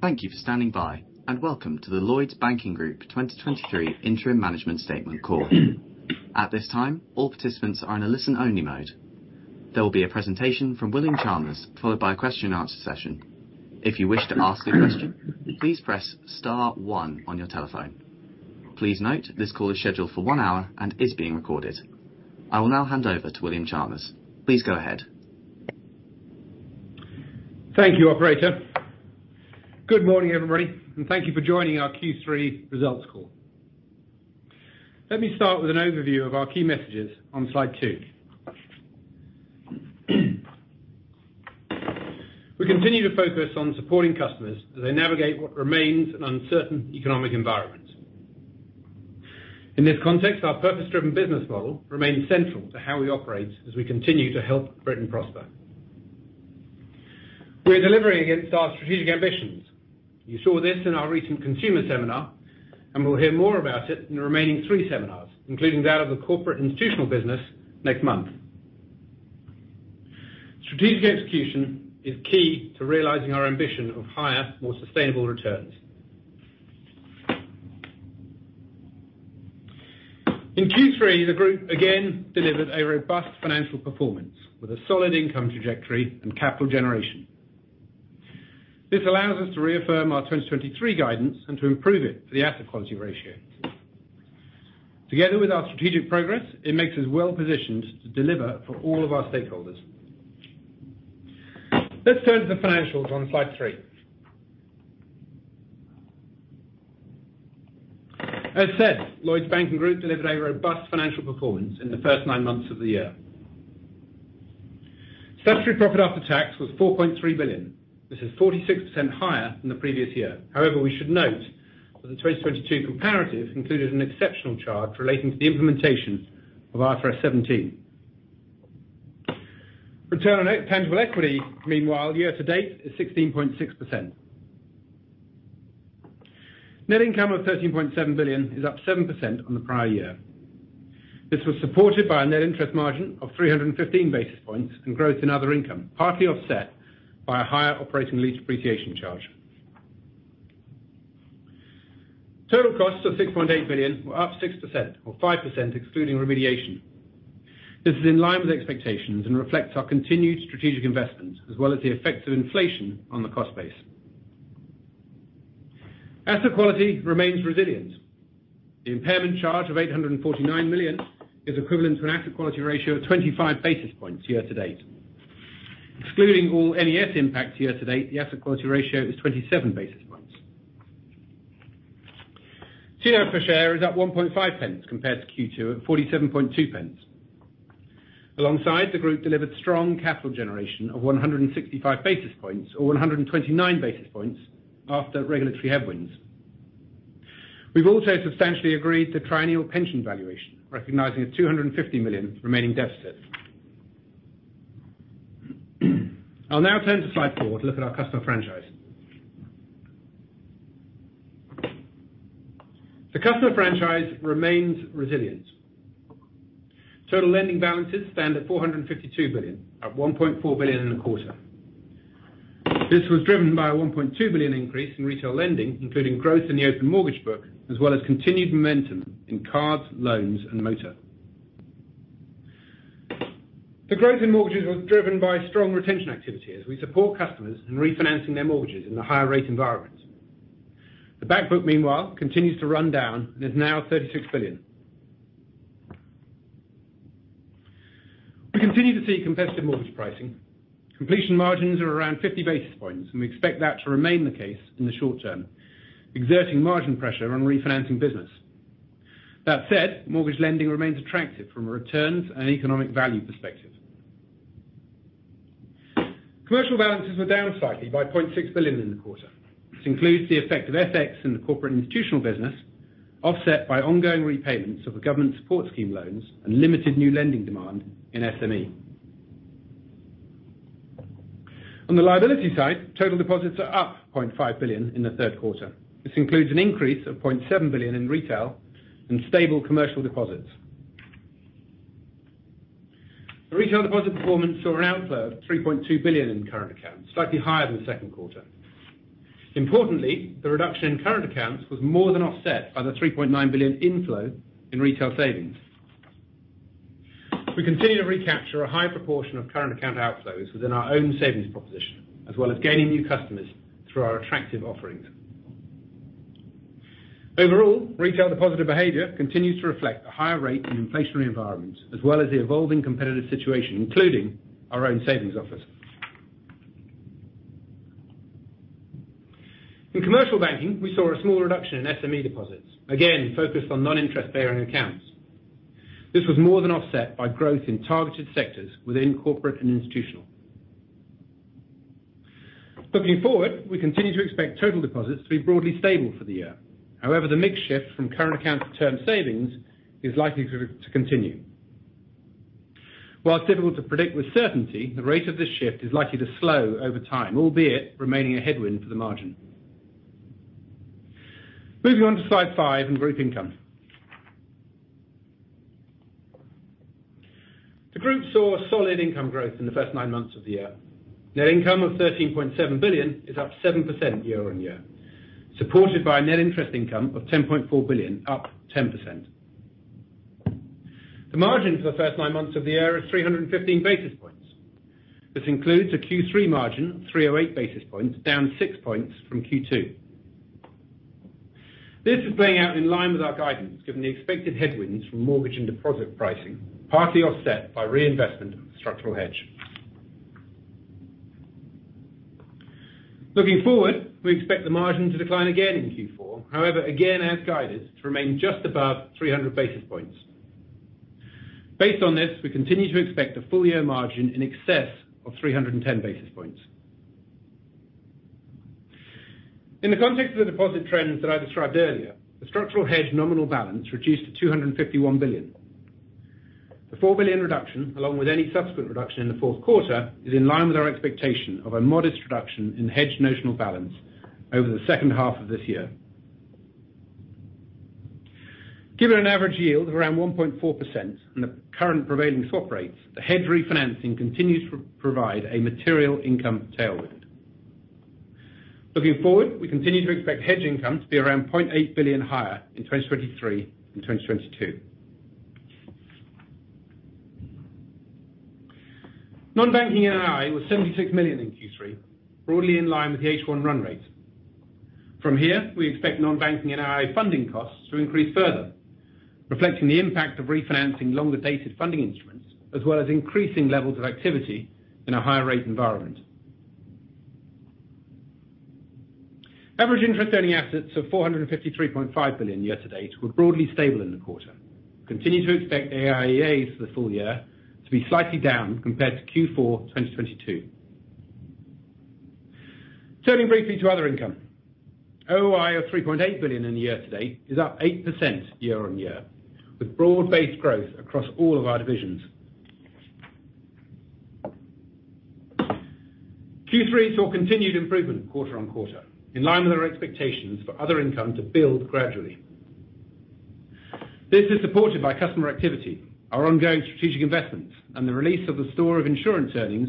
Thank you for standing by, and welcome to the Lloyds Banking Group 2023 Interim Management Statement Call. At this time, all participants are in a listen-only mode. There will be a presentation from William Chalmers, followed by a question and answer session. If you wish to ask a question, please press star one on your telephone. Please note, this call is scheduled for one hour and is being recorded. I will now hand over to William Chalmers. Please go ahead. Thank you, operator. Good morning, everybody, and thank you for joining our Q3 results call. Let me start with an overview of our key messages on slide 2. We continue to focus on supporting customers as they navigate what remains an uncertain economic environment. In this context, our purpose-driven business model remains central to how we operate as we continue to help Britain prosper. We're delivering against our strategic ambitions. You saw this in our recent consumer seminar, and we'll hear more about it in the remaining 3 seminars, including that of the corporate institutional business next month. Strategic execution is key to realizing our ambition of higher, more sustainable returns. In Q3, the group again delivered a robust financial performance with a solid income trajectory and capital generation. This allows us to reaffirm our 2023 guidance and to improve it for the asset quality ratio. Together with our strategic progress, it makes us well positioned to deliver for all of our stakeholders. Let's turn to the financials on slide 3. As said, Lloyds Banking Group delivered a robust financial performance in the first 9 months of the year. Statutory profit after tax was 4.3 billion. This is 46% higher than the previous year. However, we should note that the 2022 comparative included an exceptional charge relating to the implementation of IFRS 17. Return on Tangible Equity, meanwhile, year-to-date, is 16.6%. Net income of 13.7 billion is up 7% on the prior year. This was supported by a net interest margin of 300 basis points and growth in other income, partly offset by a higher operating lease depreciation charge. Total costs of 6.8 billion were up 6%, or 5%, excluding remediation. This is in line with expectations and reflects our continued strategic investment, as well as the effects of inflation on the cost base. Asset quality remains resilient. The impairment charge of 849 million is equivalent to an asset quality ratio of 25 basis points year-to-date. Excluding all MES impacts year-to-date, the asset quality ratio is 27 basis points. TNAV per share is at 0.015, compared to Q2 at 0.472. Alongside, the group delivered strong capital generation of 165 basis points, or 129 basis points after regulatory headwinds. We've also substantially agreed to triennial pension valuation, recognizing a 250 million remaining deficit. I'll now turn to slide 4 to look at our Customer Franchise. The customer franchise remains resilient. Total lending balances stand at 452 billion, at 1.4 billion in the quarter. This was driven by a 1.2 billion increase in retail lending, including growth in the open mortgage book, as well as continued momentum in cards, loans, and motor. The growth in mortgages was driven by strong retention activity as we support customers in refinancing their mortgages in the higher rate environment. The back book, meanwhile, continues to run down and is now 36 billion. We continue to see competitive mortgage pricing. Completion margins are around 50 basis points, and we expect that to remain the case in the short term, exerting margin pressure on refinancing business. That said, mortgage lending remains attractive from a returns and economic value perspective. Commercial balances were down slightly by 0.6 billion in the quarter. This includes the effect of FX in the corporate institutional business, offset by ongoing repayments of the government support scheme loans and limited new lending demand in SME. On the liability side, total deposits are up 0.5 billion in the Q3. This includes an increase of 0.7 billion in retail and stable commercial deposits. The retail deposit performance saw an outflow of 3.2 billion in current accounts, slightly higher than the Q2. Importantly, the reduction in current accounts was more than offset by the 3.9 billion inflow in retail savings. We continue to recapture a high proportion of current account outflows within our own savings proposition, as well as gaining new customers through our attractive offerings. Overall, retail depositor behavior continues to reflect a higher rate in inflationary environments, as well as the evolving competitive situation, including our own savings offers. In commercial banking, we saw a small reduction in SME deposits, again, focused on non-interest-bearing accounts. This was more than offset by growth in targeted sectors within corporate and institutional. Looking forward, we continue to expect total deposits to be broadly stable for the year. However, the mix shift from current accounts to term savings is likely to, to continue. While it's difficult to predict with certainty, the rate of this shift is likely to slow over time, albeit remaining a headwind for the margin. Moving on to slide 5 the group income. The group saw a solid income growth in the first 9 months of the year. Net income of 13.7 billion is up 7% year-on-year, supported by net interest income of 10.4 billion, up 10%. The margin for the first 9 months of the year is 315 basis points. This includes a Q3 margin, 308 basis points, down 6 points from Q2. This is playing out in line with our guidance, given the expected headwinds from mortgage and deposit pricing, partly offset by reinvestment structural hedge. Looking forward, we expect the margin to decline again in Q4. However, again, as guided, to remain just above 300 basis points. Based on this, we continue to expect a full year margin in excess of 310 basis points. In the context of the deposit trends that I described earlier, the structural hedge nominal balance reduced to 251 billion. The 4 billion reduction, along with any subsequent reduction in the Q4, is in line with our expectation of a modest reduction in hedged notional balance over the second half of this year. Given an average yield of around 1.4% and the current prevailing swap rates, the hedge refinancing continues to provide a material income tailwind. Looking forward, we continue to expect hedge income to be around 0.8 billion higher in 2023 and 2022. Non-banking NII was 76 million in Q3, broadly in line with the H1 run rate. From here, we expect non-banking NII funding costs to increase further, reflecting the impact of refinancing longer-dated funding instruments, as well as increasing levels of activity in a higher rate environment. Average interest earning assets of 453.5 billion year-to-date were broadly stable in the quarter. Continue to expect AIEAs for the full year to be slightly down compared to Q4 2022. Turning briefly to other income. OOI of 3.8 billion in the year-to-date is up 8% year-on-year, with broad-based growth across all of our divisions. Q3 saw continued improvement quarter-on-quarter, in line with our expectations for other income to build gradually. This is supported by customer activity, our ongoing strategic investments, and the release of the store of insurance earnings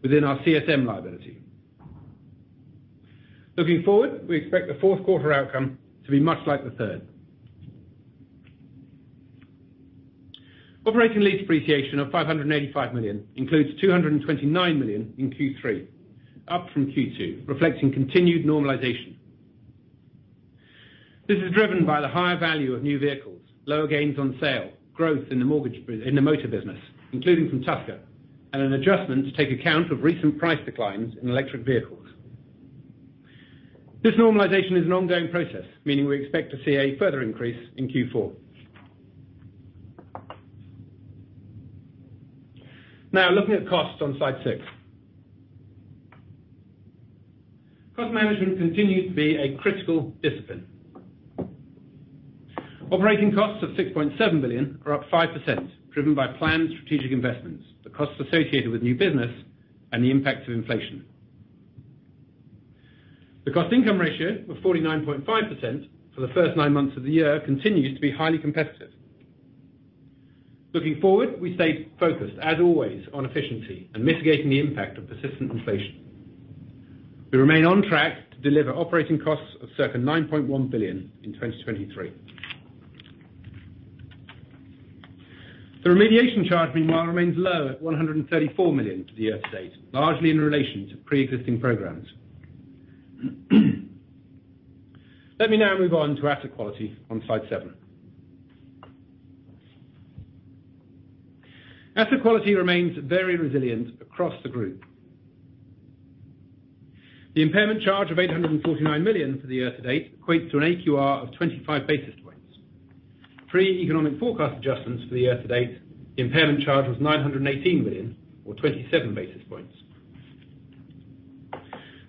within our CSM liability. Looking forward, we expect the Q4 outcome to be much like the third. Operating lease depreciation of 585 million includes 229 million in Q3, up from Q2, reflecting continued normalization. This is driven by the higher value of new vehicles, lower gains on sale, growth in the motor business, including from Tusker, and an adjustment to take account of recent price declines in electric vehicles. This normalization is an ongoing process, meaning we expect to see a further increase in Q4. Now, looking at costs on slide 6. Cost management continues to be a critical discipline. Operating costs of 6.7 billion are up 5%, driven by planned strategic investments, the costs associated with new business, and the impact of inflation. The cost income ratio of 49.5% for the first 9 months of the year continues to be highly competitive. Looking forward, we stay focused, as always, on efficiency and mitigating the impact of persistent inflation. We remain on track to deliver operating costs of circa 9.1 billion in 2023. The remediation charge, meanwhile, remains low at 134 million for the year-to-date, largely in relation to pre-existing programs. Let me now move on to asset quality on slide 7. Asset quality remains very resilient across the group. The impairment charge of 849 million for the year-to-date equates to an AQR of 25 basis points. Pre-economic forecast adjustments for the year-to-date, the impairment charge was 918 million, or 27 basis points.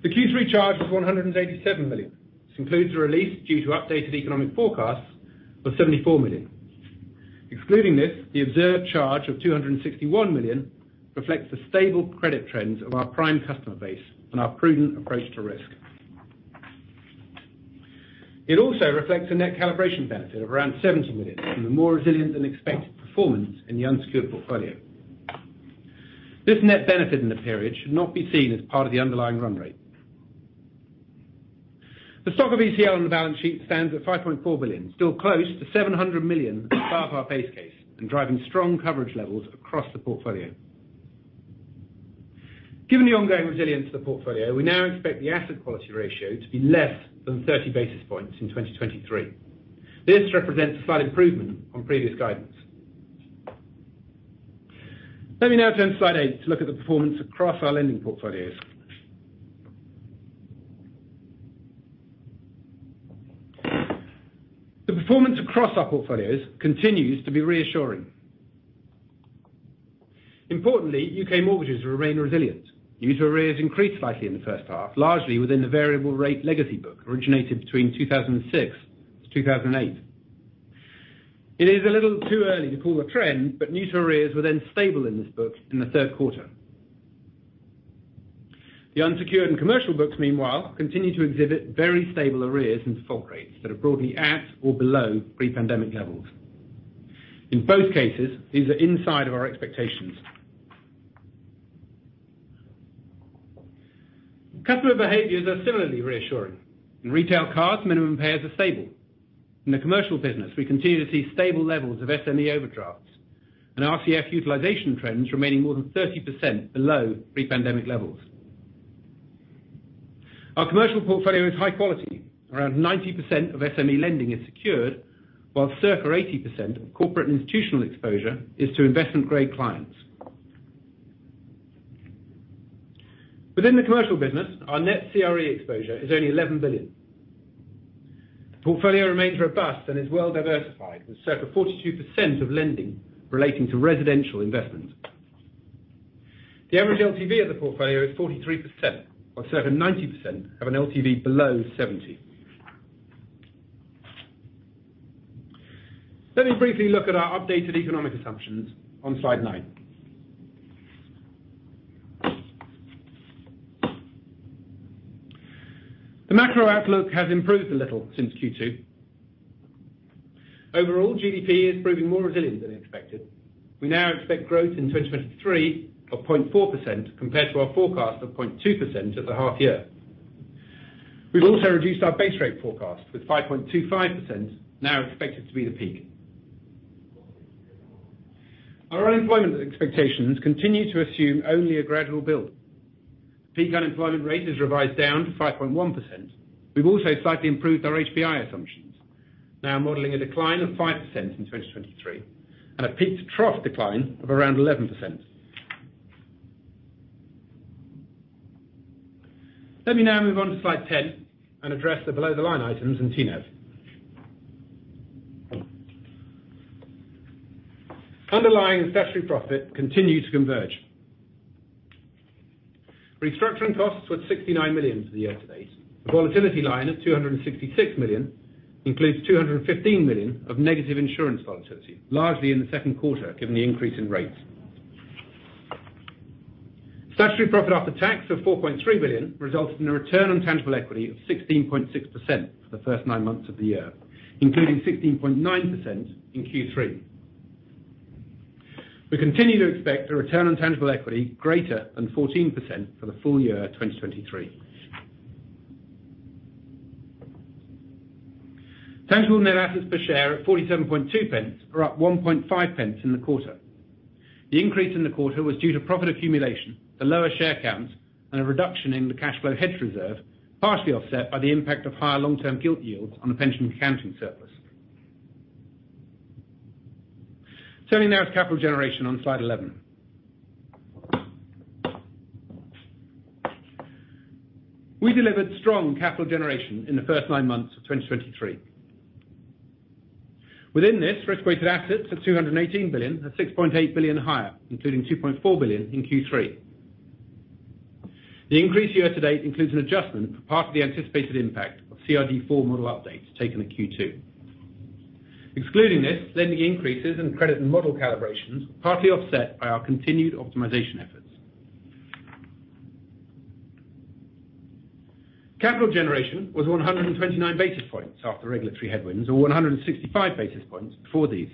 The Q3 charge was 187 million. This includes a release due to updated economic forecasts of 74 million. Excluding this, the observed charge of 261 million reflects the stable credit trends of our prime customer base and our prudent approach to risk. It also reflects a net calibration benefit of around 70 million from the more resilient than expected performance in the unsecured portfolio. This net benefit in the period should not be seen as part of the underlying run rate. The stock of ECL on the balance sheet stands at 5.4 billion, still close to 700 million above our base case and driving strong coverage levels across the portfolio. Given the ongoing resilience of the portfolio, we now expect the asset quality ratio to be less than 30 basis points in 2023. This represents a slight improvement on previous guidance. Let me now turn to slide 8 to look at the performance across our lending portfolios. The performance across our portfolios continues to be reassuring. Importantly, U.K. mortgages remain resilient. New to arrears increased slightly in the first half, largely within the variable rate legacy book, originated between 2006 to 2008. It is a little too early to call a trend, but new to arrears were then stable in this book in the Q3. The unsecured and commercial books, meanwhile, continue to exhibit very stable arrears and default rates that are broadly at or below pre-pandemic levels. In both cases, these are inside of our expectations. Customer behaviors are similarly reassuring. In retail cards, minimum payers are stable. In the commercial business, we continue to see stable levels of SME overdrafts, and RCF utilization trends remaining more than 30% below pre-pandemic levels. Our commercial portfolio is high quality. Around 90% of SME lending is secured, while circa 80% of Corporate Institutional exposure is to investment-grade clients. Within the commercial business, our net CRE exposure is only 11 billion. The portfolio remains robust and is well diversified, with circa 42% of lending relating to residential investment. The average LTV of the portfolio is 43% while 70%-90% have an LTV below 70. Let me briefly look at our updated economic assumptions on slide 9. The macro outlook has improved a little since Q2. Overall, GDP is proving more resilient than expected. We now expect growth in 2023 of 0.4% compared to our forecast of 0.2% at the half year. We've also reduced our base rate forecast, with 5.25% now expected to be the peak. Our unemployment expectations continue to assume only a gradual build. Peak unemployment rate is revised down to 5.1%. We've also slightly improved our HPI assumptions, now modeling a decline of 5% in 2023 and a peak to trough decline of around 11%. Let me now move on to slide 10 and address the below-the-line items in TNAV. Underlying statutory profit continued to converge. Restructuring costs were 69 million for the year-to-date. The volatility line of 266 million includes 215 million of negative insurance volatility, largely in the Q2, given the increase in rates. Statutory profit after tax of 4.3 billion resulted in a Return on Tangible Equity of 16.6% for the first 9 months of the year, including 16.9% in Q3. We continue to expect a Return on Tangible Equity greater than 14% for the full year 2023. Tangible Net Assets per share at 0.472 are up 0.015 in the quarter. The increase in the quarter was due to profit accumulation, the lower share count, and a reduction in the cash flow hedge reserve, partially offset by the impact of higher long-term gilt yields on the pension accounting surplus. Turning now to capital generation on slide 11. We delivered strong capital generation in the first 9 months of 2023. Within this, risk-weighted assets of 218 billion are 6.8 billion higher, including 2.4 billion in Q3. The increase year-to-date includes an adjustment for part of the anticipated impact of CRD IV model updates taken in Q2. Excluding this, lending increases in credit and model calibrations, partly offset by our continued optimization efforts. Capital generation was 129 basis points after regulatory headwinds, or 165 basis points before these.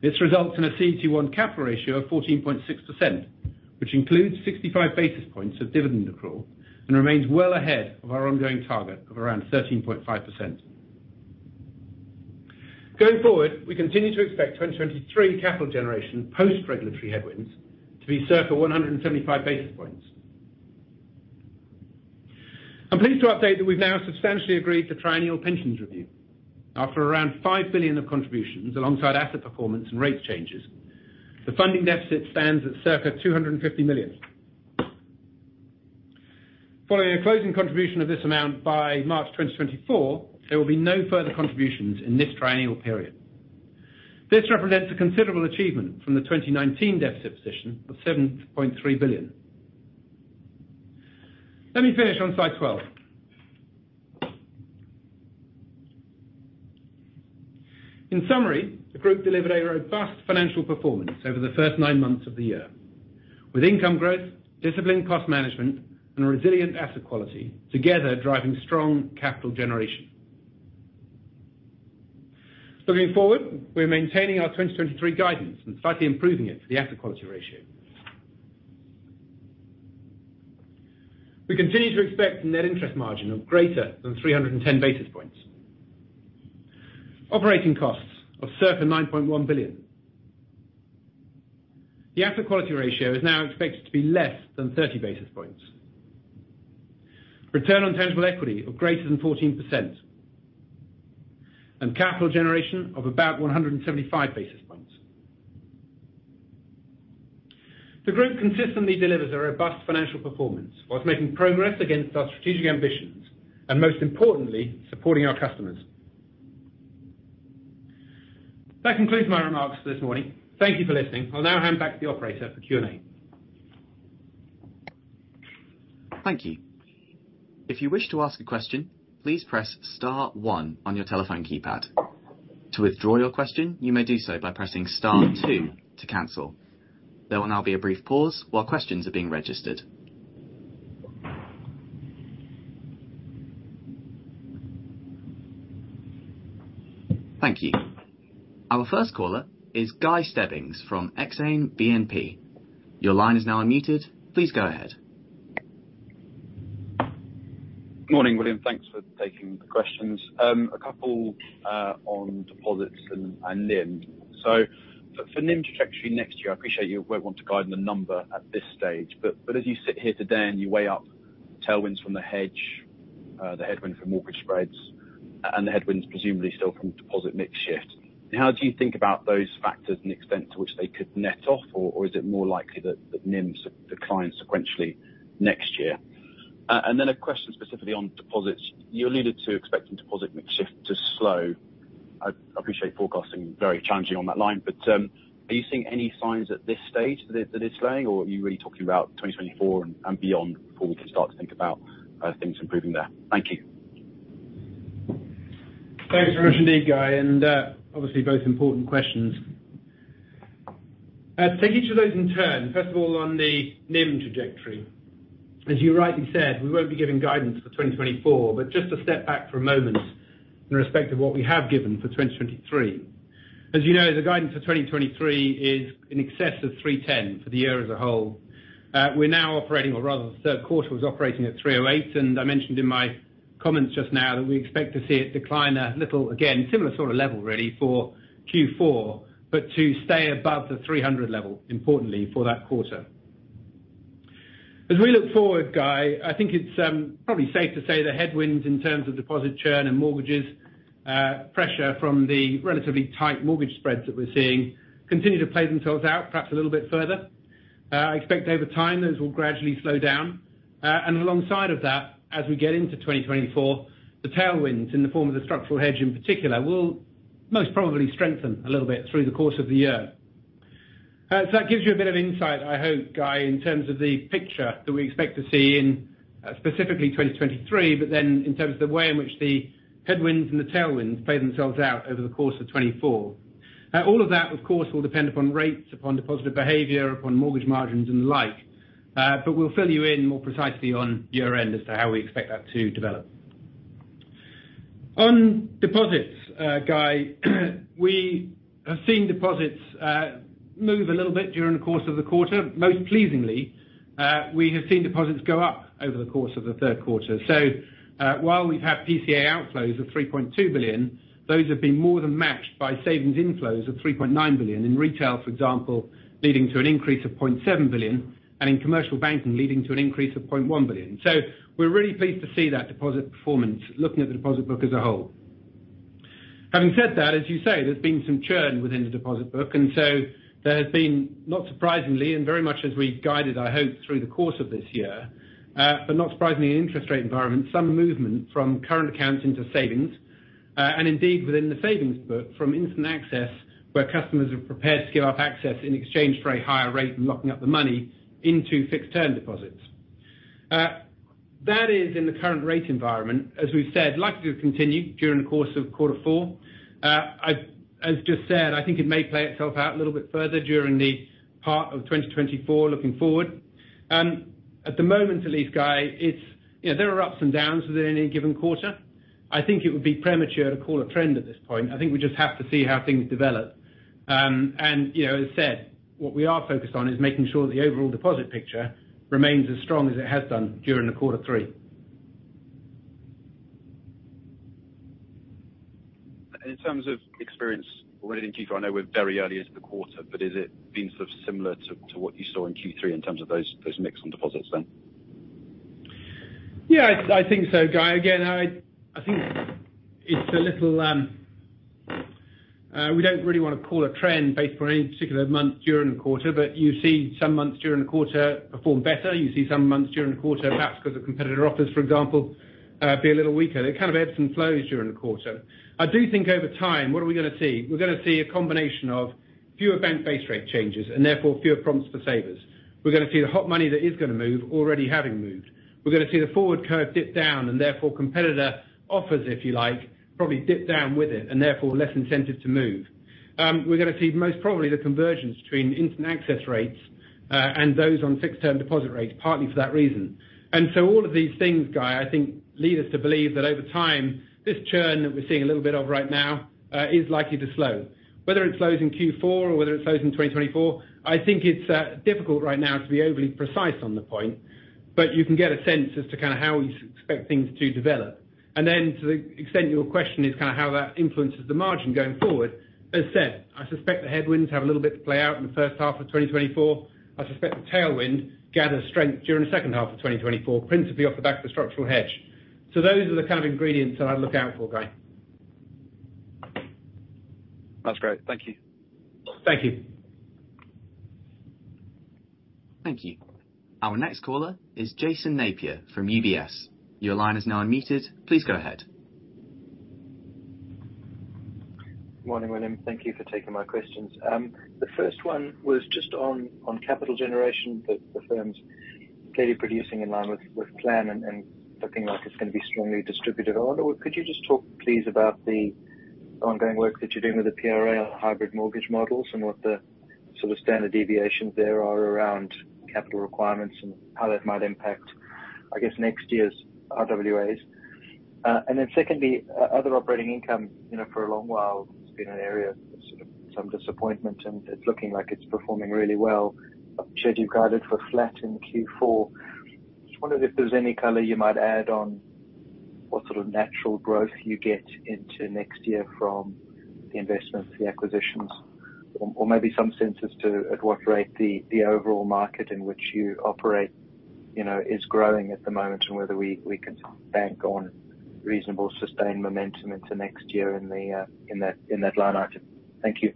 This results in a CET1 capital ratio of 14.6%, which includes 65 basis points of dividend accrual and remains well ahead of our ongoing target of around 13.5%. Going forward, we continue to expect 2023 capital generation post regulatory headwinds to be circa 175 basis points. I'm pleased to update that we've now substantially agreed to triennial pensions review. After around 5 billion of contributions alongside asset performance and rate changes, the funding deficit stands at circa 250 million. Following a closing contribution of this amount by March 2024, there will be no further contributions in this triennial period. This represents a considerable achievement from the 2019 deficit position of 7.3 billion. Let me finish on slide 12. In summary, the group delivered a robust financial performance over the first 9 months of the year, with income growth, disciplined cost management, and resilient asset quality together driving strong capital generation. Looking forward, we're maintaining our 2023 guidance and slightly improving it for the asset quality ratio. We continue to expect net interest margin of greater than 310 basis points. Operating costs of circa 9.1 billion. The asset quality ratio is now expected to be less than 30 basis points. Return on Tangible Equity of greater than 14%, and capital generation of about 175 basis points. The group consistently delivers a robust financial performance whilst making progress against our strategic ambitions, and most importantly, supporting our customers. That concludes my remarks this morning. Thank you for listening. I'll now hand back to the operator for Q&A. Thank you. If you wish to ask a question, please press star one on your telephone keypad. To withdraw your question, you may do so by pressing star two to cancel. There will now be a brief pause while questions are being registered. Thank you. Our first caller is Guy Stebbings from Exane BNP. Your line is now unmuted. Please go ahead. Good morning, William. Thanks for taking the questions. A couple on deposits and NIM. So for NIM trajectory next year, I appreciate you won't want to guide the number at this stage, but as you sit here today and you weigh up tailwinds from the hedge, the headwind from mortgage spreads and the headwinds presumably still from deposit mix shift, how do you think about those factors and the extent to which they could net off? Or is it more likely that NIMs decline sequentially next year? And then a question specifically on deposits. You alluded to expecting deposit mix shift to slow. I appreciate forecasting is very challenging on that line, but are you seeing any signs at this stage that it's slowing, or are you really talking about 2024 and beyond, before we can start to think about things improving there? Thank you. Thanks very much indeed, Guy, and, obviously both important questions. To take each of those in turn, first of all, on the NIM trajectory. As you rightly said, we won't be giving guidance for 2024, but just to step back for a moment in respect of what we have given for 2023. As you know, the guidance for 2023 is in excess of 3.10 for the year as a whole. We're now operating, or rather, the Q3 was operating at 3.08, and I mentioned in my comments just now that we expect to see it decline a little, again, similar sort of level, really, for Q4, but to stay above the 300 level, importantly, for that quarter. As we look forward, Guy, I think it's probably safe to say the headwinds in terms of deposit churn and mortgages pressure from the relatively tight mortgage spreads that we're seeing continue to play themselves out, perhaps a little bit further. I expect over time, those will gradually slow down. And alongside of that, as we get into 2024, the tailwinds in the form of the structural hedge in particular will most probably strengthen a little bit through the course of the year. So that gives you a bit of insight, I hope, Guy, in terms of the picture that we expect to see in specifically 2023, but then in terms of the way in which the headwinds and the tailwinds play themselves out over the course of 2024. All of that, of course, will depend upon rates, upon deposit behavior, upon mortgage margins and the like. But we'll fill you in more precisely on year-end as to how we expect that to develop. On deposits, Guy, we have seen deposits move a little bit during the course of the quarter. Most pleasingly, we have seen deposits go up over the course of the Q3. So, while we've had PCA outflows of 3.2 billion, those have been more than matched by savings inflows of 3.9 billion in retail, for example, leading to an increase of 0.7 billion, and in commercial banking, leading to an increase of 0.1 billion. So we're really pleased to see that deposit performance, looking at the deposit book as a whole. Having said that, as you say, there's been some churn within the deposit book, and so there has been, not surprisingly, and very much as we guided, I hope, through the course of this year, but not surprisingly, an interest rate environment, some movement from current accounts into savings, and indeed within the savings book, from instant access, where customers are prepared to give up access in exchange for a higher rate, and locking up the money into fixed term deposits. That is in the current rate environment, as we've said, likely to continue during the course of Q4. As just said, I think it may play itself out a little bit further during the part of 2024 looking forward. At the moment, at least, Guy, it's- you know, there are ups and downs within any given quarter. I think it would be premature to call a trend at this point. I think we just have to see how things develop. And you know, as I said, what we are focused on is making sure the overall deposit picture remains as strong as it has done during the Q3. In terms of experience already in Q4, I know we're very early into the quarter, but is it been sort of similar to, to what you saw in Q3 in terms of those, those mix on deposits then? Yeah, I, I think so, Guy. Again, I, I think it's a little. We don't really want to call a trend based on any particular month during the quarter, but you see some months during the quarter perform better. You see some months during the quarter, perhaps because of competitor offers, for example, be a little weaker. They kind of ebbs and flows during the quarter. I do think over time, what are we going to see? We're going to see a combination of fewer bank base rate changes, and therefore fewer prompts for savers. We're going to see the hot money that is going to move, already having moved. We're going to see the forward curve dip down, and therefore competitor offers, if you like, probably dip down with it, and therefore less incentive to move. We're going to see most probably the convergence between instant access rates and those on fixed term deposit rates, partly for that reason. And so all of these things, Guy, I think lead us to believe that over time, this churn that we're seeing a little bit of right now is likely to slow. Whether it slows in Q4 or whether it slows in 2024, I think it's difficult right now to be overly precise on the point, but you can get a sense as to kind of how we expect things to develop. And then to the extent your question is kind of how that influences the margin going forward, as said, I suspect the headwinds have a little bit to play out in the first half of 2024. I suspect the tailwind gather strength during the second half of 2024, principally off the back of the structural hedge. So those are the kind of ingredients that I'd look out for, Guy. That's great. Thank you. Thank you. Thank you. Our next caller is Jason Napier from UBS. Your line is now unmuted. Please go ahead. Morning, William. Thank you for taking my questions. The first one was just on capital generation, that the firm's clearly producing in line with plan and looking like it's gonna be strongly distributed. I wonder, could you just talk, please, about the ongoing work that you're doing with the PRA on hybrid mortgage models, and what the sort of standard deviations there are around capital requirements, and how that might impact, I guess, next year's RWAs? And then secondly, other operating income, you know, for a long while, has been an area of sort of some disappointment, and it's looking like it's performing really well. I'm sure you've guided for flat in Q4. Just wondered if there's any color you might add on what sort of natural growth you get into next year from the investments, the acquisitions, or maybe some sense as to at what rate the overall market in which you operate, you know, is growing at the moment, and whether we can bank on reasonable, sustained momentum into next year in that line item. Thank you.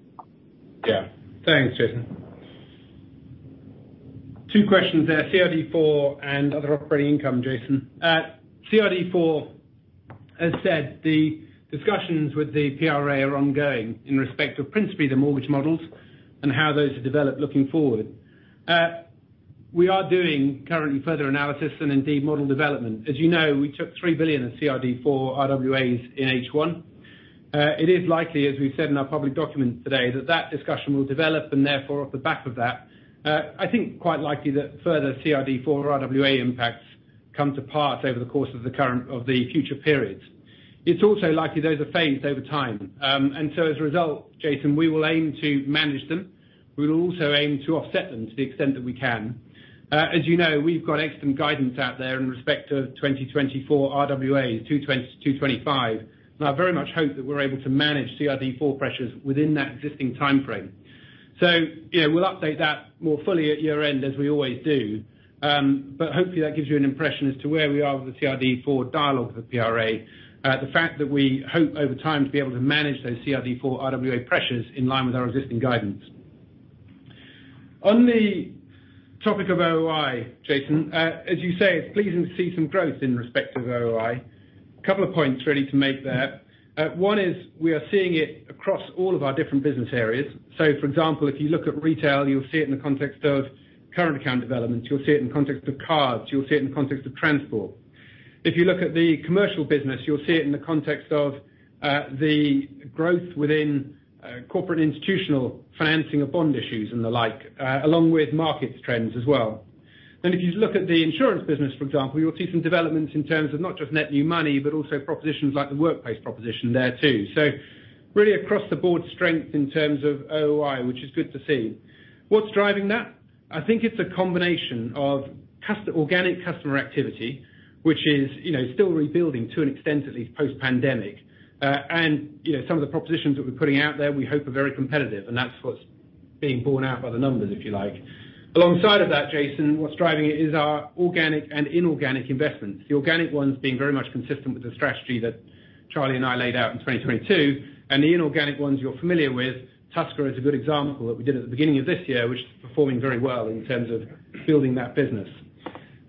Yeah. Thanks, Jason. Two questions there, CRD IV and other operating income, Jason. CRD IV, as said, the discussions with the PRA are ongoing in respect of principally the mortgage models and how those are developed looking forward. We are doing currently further analysis and indeed model development. As you know, we took 3 billion in CRD IV RWAs in H1. It is likely, as we've said in our public documents today, that that discussion will develop, and therefore, off the back of that, I think quite likely that further CRD IV RWA impacts come to pass over the course of the current and future periods. It's also likely those are phased over time. And so as a result, Jason, we will aim to manage them. We will also aim to offset them to the extent that we can. As you know, we've got excellent guidance out there in respect of 2024 RWA, to 2025, and I very much hope that we're able to manage CRD IV pressures within that existing timeframe. So, you know, we'll update that more fully at year-end, as we always do. But hopefully, that gives you an impression as to where we are with the CRD IV dialogue with the PRA. The fact that we hope over time to be able to manage those CRD IV RWA pressures in line with our existing guidance. On the topic of OOI, Jason, as you say, it's pleasing to see some growth in respect of OOI. Couple of points really to make there. One is we are seeing it across all of our different business areas. So, for example, if you look at retail, you'll see it in the context of current account developments, you'll see it in the context of cards, you'll see it in the context of transport. If you look at the commercial business, you'll see it in the context of the growth within Corporate Institutional financing of bond issues and the like, along with market trends as well. Then if you look at the insurance business, for example, you'll see some developments in terms of not just net new money, but also propositions like the workplace proposition there, too. So really across the board strength in terms of OOI, which is good to see. What's driving that? I think it's a combination of customer organic customer activity, which is, you know, still rebuilding to an extent at least post-pandemic. You know, some of the propositions that we're putting out there, we hope are very competitive, and that's what's being borne out by the numbers, if you like. Alongside of that, Jason, what's driving it is our organic and inorganic investments. The organic ones being very much consistent with the strategy that Charlie and I laid out in 2022, and the inorganic ones you're familiar with. Tusker is a good example that we did at the beginning of this year, which is performing very well in terms of building that business.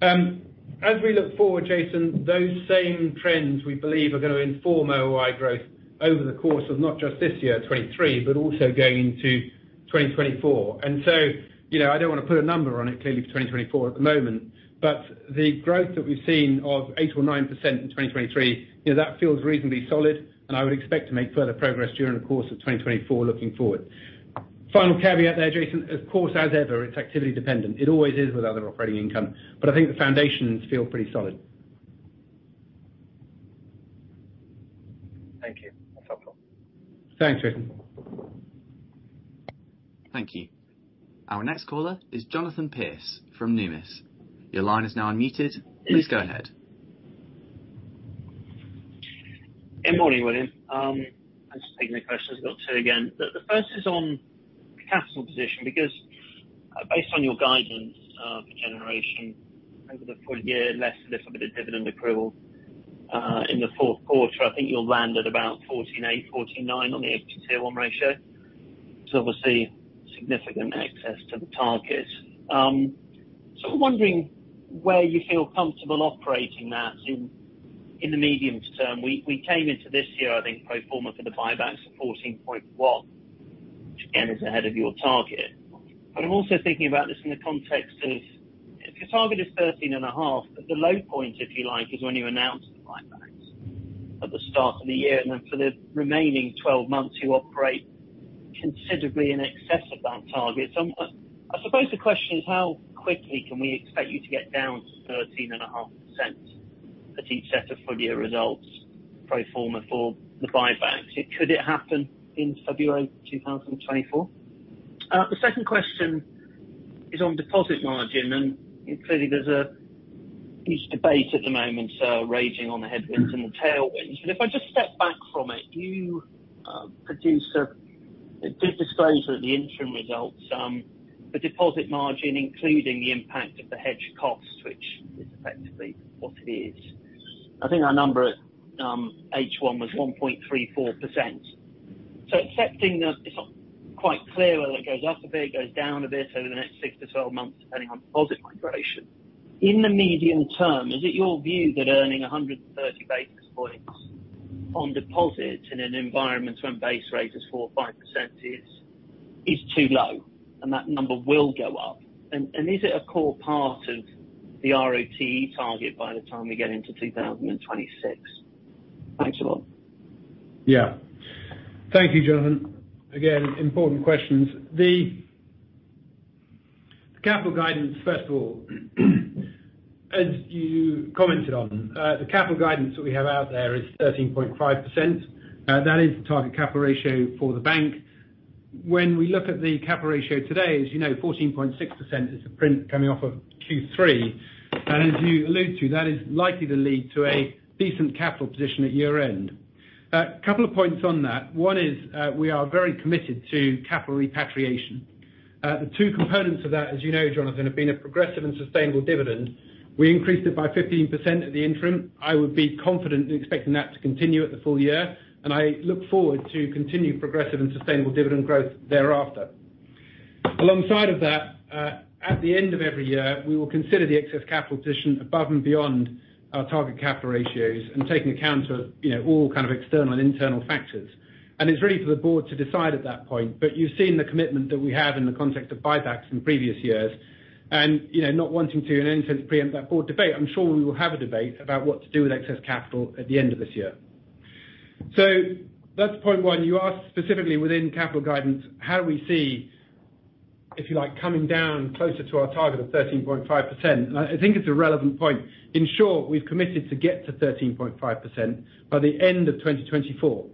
As we look forward, Jason, those same trends, we believe, are gonna inform OOI growth over the course of not just this year, 2023, but also going into 2024. And so, you know, I don't want to put a number on it clearly for 2024 at the moment, but the growth that we've seen of 8%-9% in 2023, you know, that feels reasonably solid, and I would expect to make further progress during the course of 2024 looking forward. Final caveat there, Jason, of course, as ever, it's activity dependent. It always is with other operating income, but I think the foundations feel pretty solid. Thank you. That's helpful. Thanks, Jason. Thank you. Our next caller is Jonathan Pearce from Numis. Your line is now unmuted. Please go ahead. Good morning, William. Thanks for taking the questions. I've got two again. The first is on the capital position, because based on your guidance for generation over the full year, less a little bit of dividend approval in the Q4, I think you'll land at about 14.8, 14.9 on the CET1 ratio. It's obviously significant excess to the target. So I'm wondering where you feel comfortable operating that in the medium-term. We came into this year, I think, pro forma for the buybacks of 14.1, which again, is ahead of your target. But I'm also thinking about this in the context of, if your target is 13.5, the low point, if you like, is when you announce the buybacks at the start of the year, and then for the remaining 12 months, you operate considerably in excess of that target. So I, I suppose the question is: How quickly can we expect you to get down to 13.5% at each set of full year results, pro forma for the buybacks? Could it happen in February 2024? The second question is on deposit margin, and clearly there's a huge debate at the moment, raging on the headwinds and the tailwinds. But if I just step back from it, you produced, did disclose at the interim results, the deposit margin, including the impact of the hedge costs, which is effectively what it is. I think our number at H1 was 1.34%. So accepting that it's not quite clear whether it goes up a bit, or goes down a bit over the next 6 months-12 months, depending on deposit migration. In the medium term, is it your view that earning 130 basis points on deposits in an environment when base rate is 4% or 5% is too low, and that number will go up? And is it a core part of the ROTE target by the time we get into 2026? Thanks a lot. Yeah. Thank you, Jonathan. Again, important questions. The capital guidance, first of all, as you commented on, the capital guidance that we have out there is 13.5%. That is the target capital ratio for the bank. When we look at the capital ratio today, as you know, 14.6% is the print coming off of Q3, and as you allude to, that is likely to lead to a decent capital position at year-end. A couple of points on that. One is, we are very committed to capital repatriation. The two components of that, as you know, Jonathan, have been a progressive and sustainable dividend. We increased it by 15% at the interim. I would be confident in expecting that to continue at the full year, and I look forward to continued progressive and sustainable dividend growth thereafter. Alongside of that, at the end of every year, we will consider the excess capital position above and beyond our target capital ratios, and taking account of, you know, all kind of external and internal factors. And it's really for the board to decide at that point, but you've seen the commitment that we have in the context of buybacks in previous years. And, you know, not wanting to in any sense pre-empt that board debate, I'm sure we will have a debate about what to do with excess capital at the end of this year. So that's point one. You asked specifically within capital guidance, how do we see, if you like, coming down closer to our target of 13.5%? And I think it's a relevant point. In short, we've committed to get to 13.5% by the end of 2024.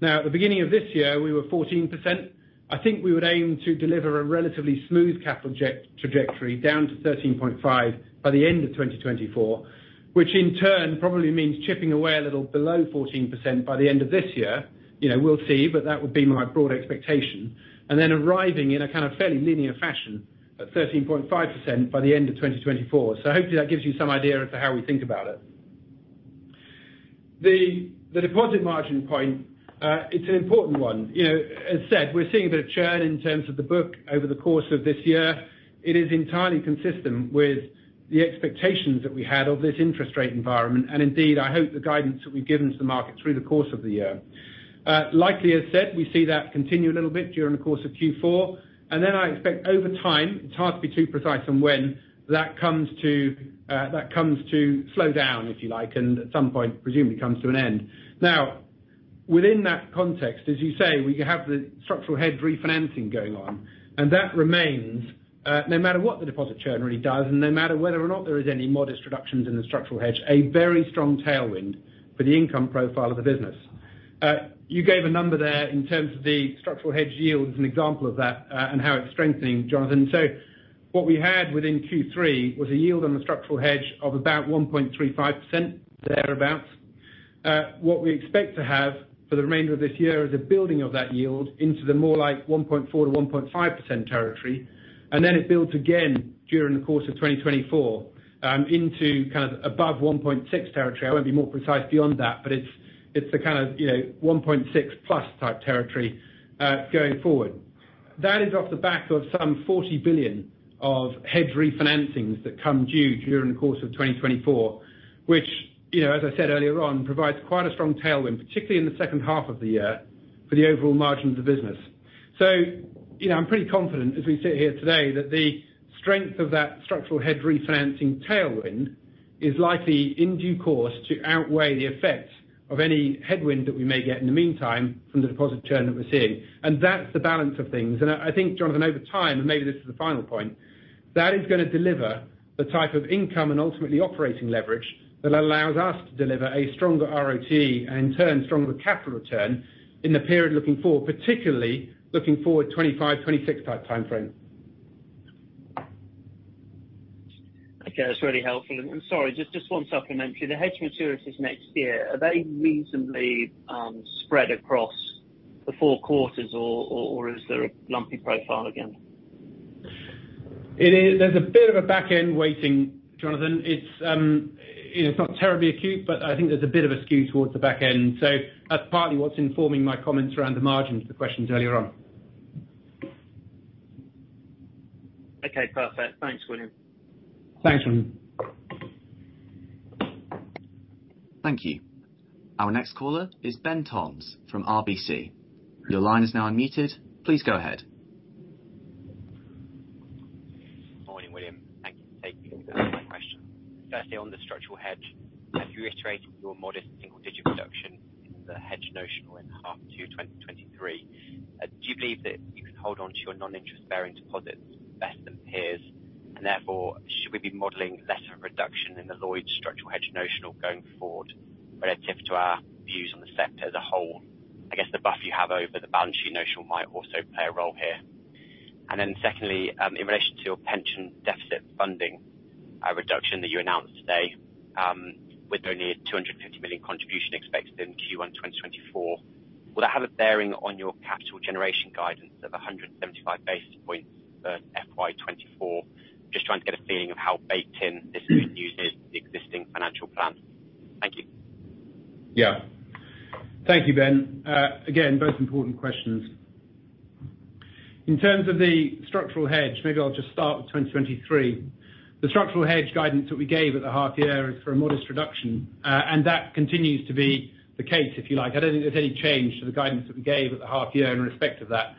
Now, at the beginning of this year, we were 14%. I think we would aim to deliver a relatively smooth CET1 trajectory down to 13.5% by the end of 2024, which in turn probably means chipping away a little below 14% by the end of this year. You know, we'll see, but that would be my broad expectation. And then arriving in a kind of fairly linear fashion at 13.5% by the end of 2024. So hopefully that gives you some idea as to how we think about it. The deposit margin point, it's an important one. You know, as said, we're seeing a bit of churn in terms of the book over the course of this year. It is entirely consistent with the expectations that we had of this interest rate environment, and indeed, I hope the guidance that we've given to the market through the course of the year. Likely, as said, we see that continue a little bit during the course of Q4, and then I expect over time, it's hard to be too precise on when, that comes to, that comes to slow down, if you like, and at some point, presumably comes to an end. Now, within that context, as you say, we have the structural hedge refinancing going on, and that remains, no matter what the deposit churn really does, and no matter whether or not there is any modest reductions in the structural hedge, a very strong tailwind for the income profile of the business. You gave a number there in terms of the structural hedge yield as an example of that, and how it's strengthening, Jonathan. So what we had within Q3 was a yield on the structural hedge of about 1.35%, thereabout. What we expect to have for the remainder of this year is a building of that yield into the more like 1.4%-1.5% territory, and then it builds again during the course of 2024, into kind of above 1.6% territory. I won't be more precise beyond that, but it's, it's the kind of, you know, 1.6+% type territory, going forward. That is off the back of some 40 billion of hedge refinancings that come due during the course of 2024, which, you know, as I said earlier on, provides quite a strong tailwind, particularly in the second half of the year, for the overall margin of the business. So, you know, I'm pretty confident as we sit here today, that the strength of that structural hedge refinancing tailwind is likely, in due course, to outweigh the effects of any headwind that we may get in the meantime from the deposit churn that we're seeing. And that's the balance of things. I think, Jonathan, over time, and maybe this is the final point, that is gonna deliver the type of income and ultimately operating leverage that allows us to deliver a stronger ROTE, and in turn, stronger capital return in the period looking forward, particularly looking forward 2025, 2026 type timeframe. Okay, that's really helpful. Sorry, just one supplementary. The hedge maturities next year, are they reasonably spread across the four quarters or is there a lumpy profile again? There's a bit of a back end waiting, Jonathan. It's, you know, it's not terribly acute, but I think there's a bit of a skew towards the back end. So that's partly what's informing my comments around the margins, the questions earlier on. Okay, perfect. Thanks, William. Thanks, William. Thank you. Our next caller is Ben Toms from RBC. Your line is now unmuted. Please go ahead. Morning, William. Thank you for taking my question. Firstly, on the structural hedge, as you reiterated your modest single-digit reduction in the hedge notional in H2 2023, do you believe that you can hold on to your non-interest-bearing deposits better than peers? And therefore, should we be modeling less of a reduction in the Lloyds structural hedge notional going forward relative to our views on the sector as a whole? I guess the buffer you have over the balance sheet notional might also play a role here. And then secondly, in relation to your pension deficit funding, a reduction that you announced today, with only 250 million contribution expected in Q1 2024, will that have a bearing on your capital generation guidance of 175 basis points for FY 2024? Just trying to get a feeling of how baked in this good news is. Yeah. Thank you, Ben. Again, both important questions. In terms of the structural hedge, maybe I'll just start with 2023. The structural hedge guidance that we gave at the half year is for a modest reduction, and that continues to be the case, if you like. I don't think there's any change to the guidance that we gave at the half year in respect of that.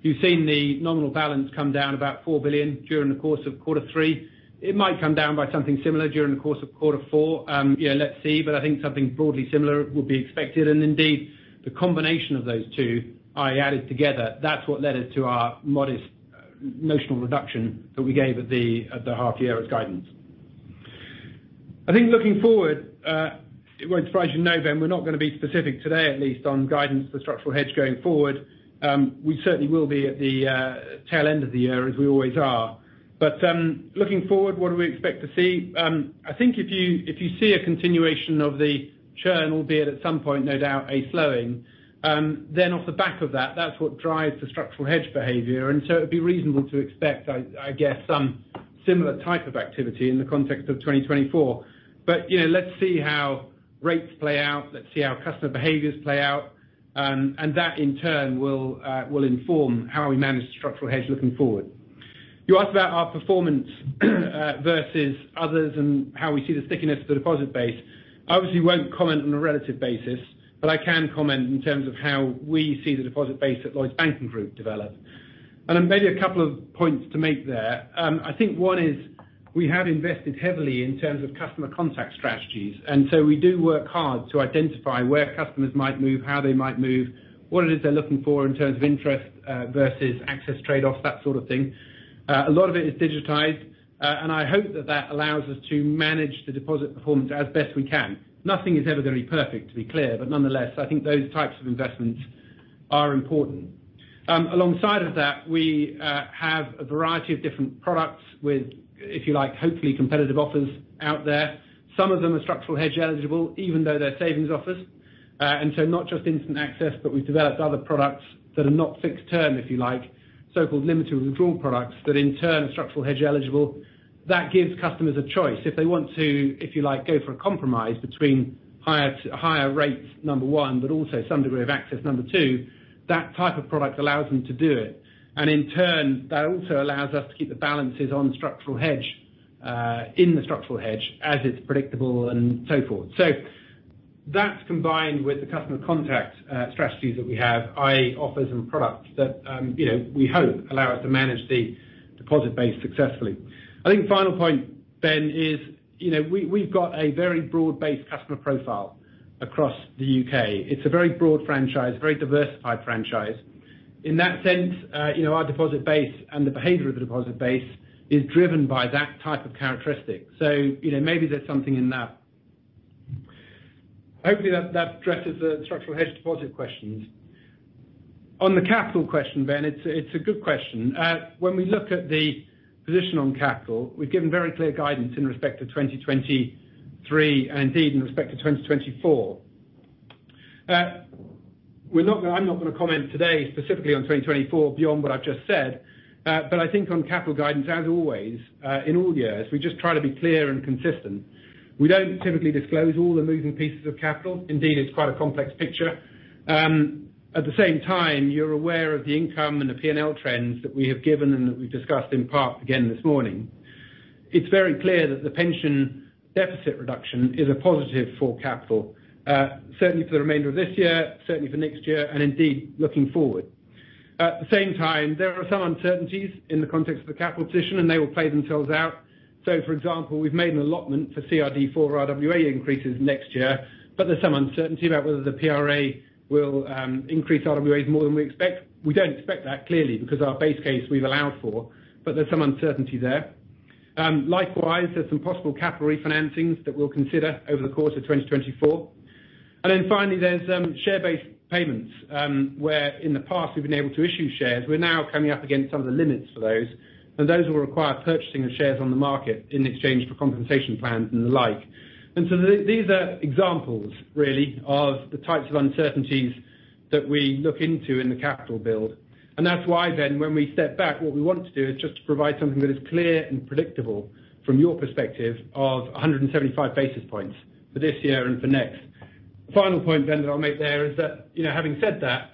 You've seen the nominal balance come down about 4 billion during the course of Q3. It might come down by something similar during the course of Q4. Yeah, let's see, but I think something broadly similar would be expected. And indeed, the combination of those two, added together, that's what led us to our modest notional reduction that we gave at the half year as guidance. I think looking forward, it won't surprise you to know, Ben, we're not going to be specific today, at least on guidance for structural hedge going forward. We certainly will be at the tail end of the year, as we always are. But looking forward, what do we expect to see? I think if you see a continuation of the churn, albeit at some point, no doubt a slowing, then off the back of that, that's what drives the structural hedge behavior. And so it'd be reasonable to expect, I guess, some similar type of activity in the context of 2024. But you know, let's see how rates play out. Let's see how customer behaviors play out. And that, in turn, will inform how we manage the structural hedge looking forward. You asked about our performance versus others and how we see the stickiness of the deposit base. I obviously won't comment on a relative basis, but I can comment in terms of how we see the deposit base at Lloyds Banking Group develop. Maybe a couple of points to make there. I think one is we have invested heavily in terms of customer contact strategies, and so we do work hard to identify where customers might move, how they might move, what it is they're looking for in terms of interest versus access trade-offs, that sort of thing. A lot of it is digitized, and I hope that that allows us to manage the deposit performance as best we can. Nothing is ever going to be perfect, to be clear, but nonetheless, I think those types of investments are important. Alongside of that, we have a variety of different products with, if you like, hopefully competitive offers out there. Some of them are structural hedge eligible, even though they're savings offers. And so not just instant access, but we've developed other products that are not fixed term, if you like, so-called limited withdrawal products that in turn are structural hedge eligible. That gives customers a choice. If they want to, if you like, go for a compromise between higher, higher rates, number one, but also some degree of access, number two, that type of product allows them to do it. And in turn, that also allows us to keep the balances on structural hedge, in the structural hedge, as it's predictable and so forth. So that's combined with the customer contact, strategies that we have, i.e., offers and products that, you know, we hope allow us to manage the deposit base successfully. I think final point, Ben, is, you know, we've got a very broad-based customer profile across the U.K. It's a very broad franchise, very diversified franchise. In that sense, you know, our deposit base and the behavior of the deposit base is driven by that type of characteristic. So, you know, maybe there's something in that. Hopefully, that addresses the structural hedge deposit questions. On the capital question, Ben, it's a good question. When we look at the position on capital, we've given very clear guidance in respect to 2023 and indeed in respect to 2024. We're not gonna- I'm not gonna comment today specifically on 2024 beyond what I've just said, but I think on capital guidance, as always, in all years, we just try to be clear and consistent. We don't typically disclose all the moving pieces of capital. Indeed, it's quite a complex picture. At the same time, you're aware of the income and the PNL trends that we have given and that we've discussed in part again this morning. It's very clear that the pension deficit reduction is a positive for capital, certainly for the remainder of this year, certainly for next year, and indeed, looking forward. At the same time, there are some uncertainties in the context of the capital position, and they will play themselves out. So, for example, we've made an allotment for CRD4 RWA increases next year, but there's some uncertainty about whether the PRA will increase RWAs more than we expect. We don't expect that, clearly, because our base case we've allowed for, but there's some uncertainty there. Likewise, there's some possible capital refinancings that we'll consider over the course of 2024. And then finally, there's share-based payments, where in the past we've been able to issue shares. We're now coming up against some of the limits for those, and those will require purchasing of shares on the market in exchange for compensation plans and the like. And so these are examples, really, of the types of uncertainties that we look into in the capital build. And that's why then, when we step back, what we want to do is just to provide something that is clear and predictable from your perspective of 175 basis points for this year and for next. Final point, Ben, that I'll make there is that, you know, having said that,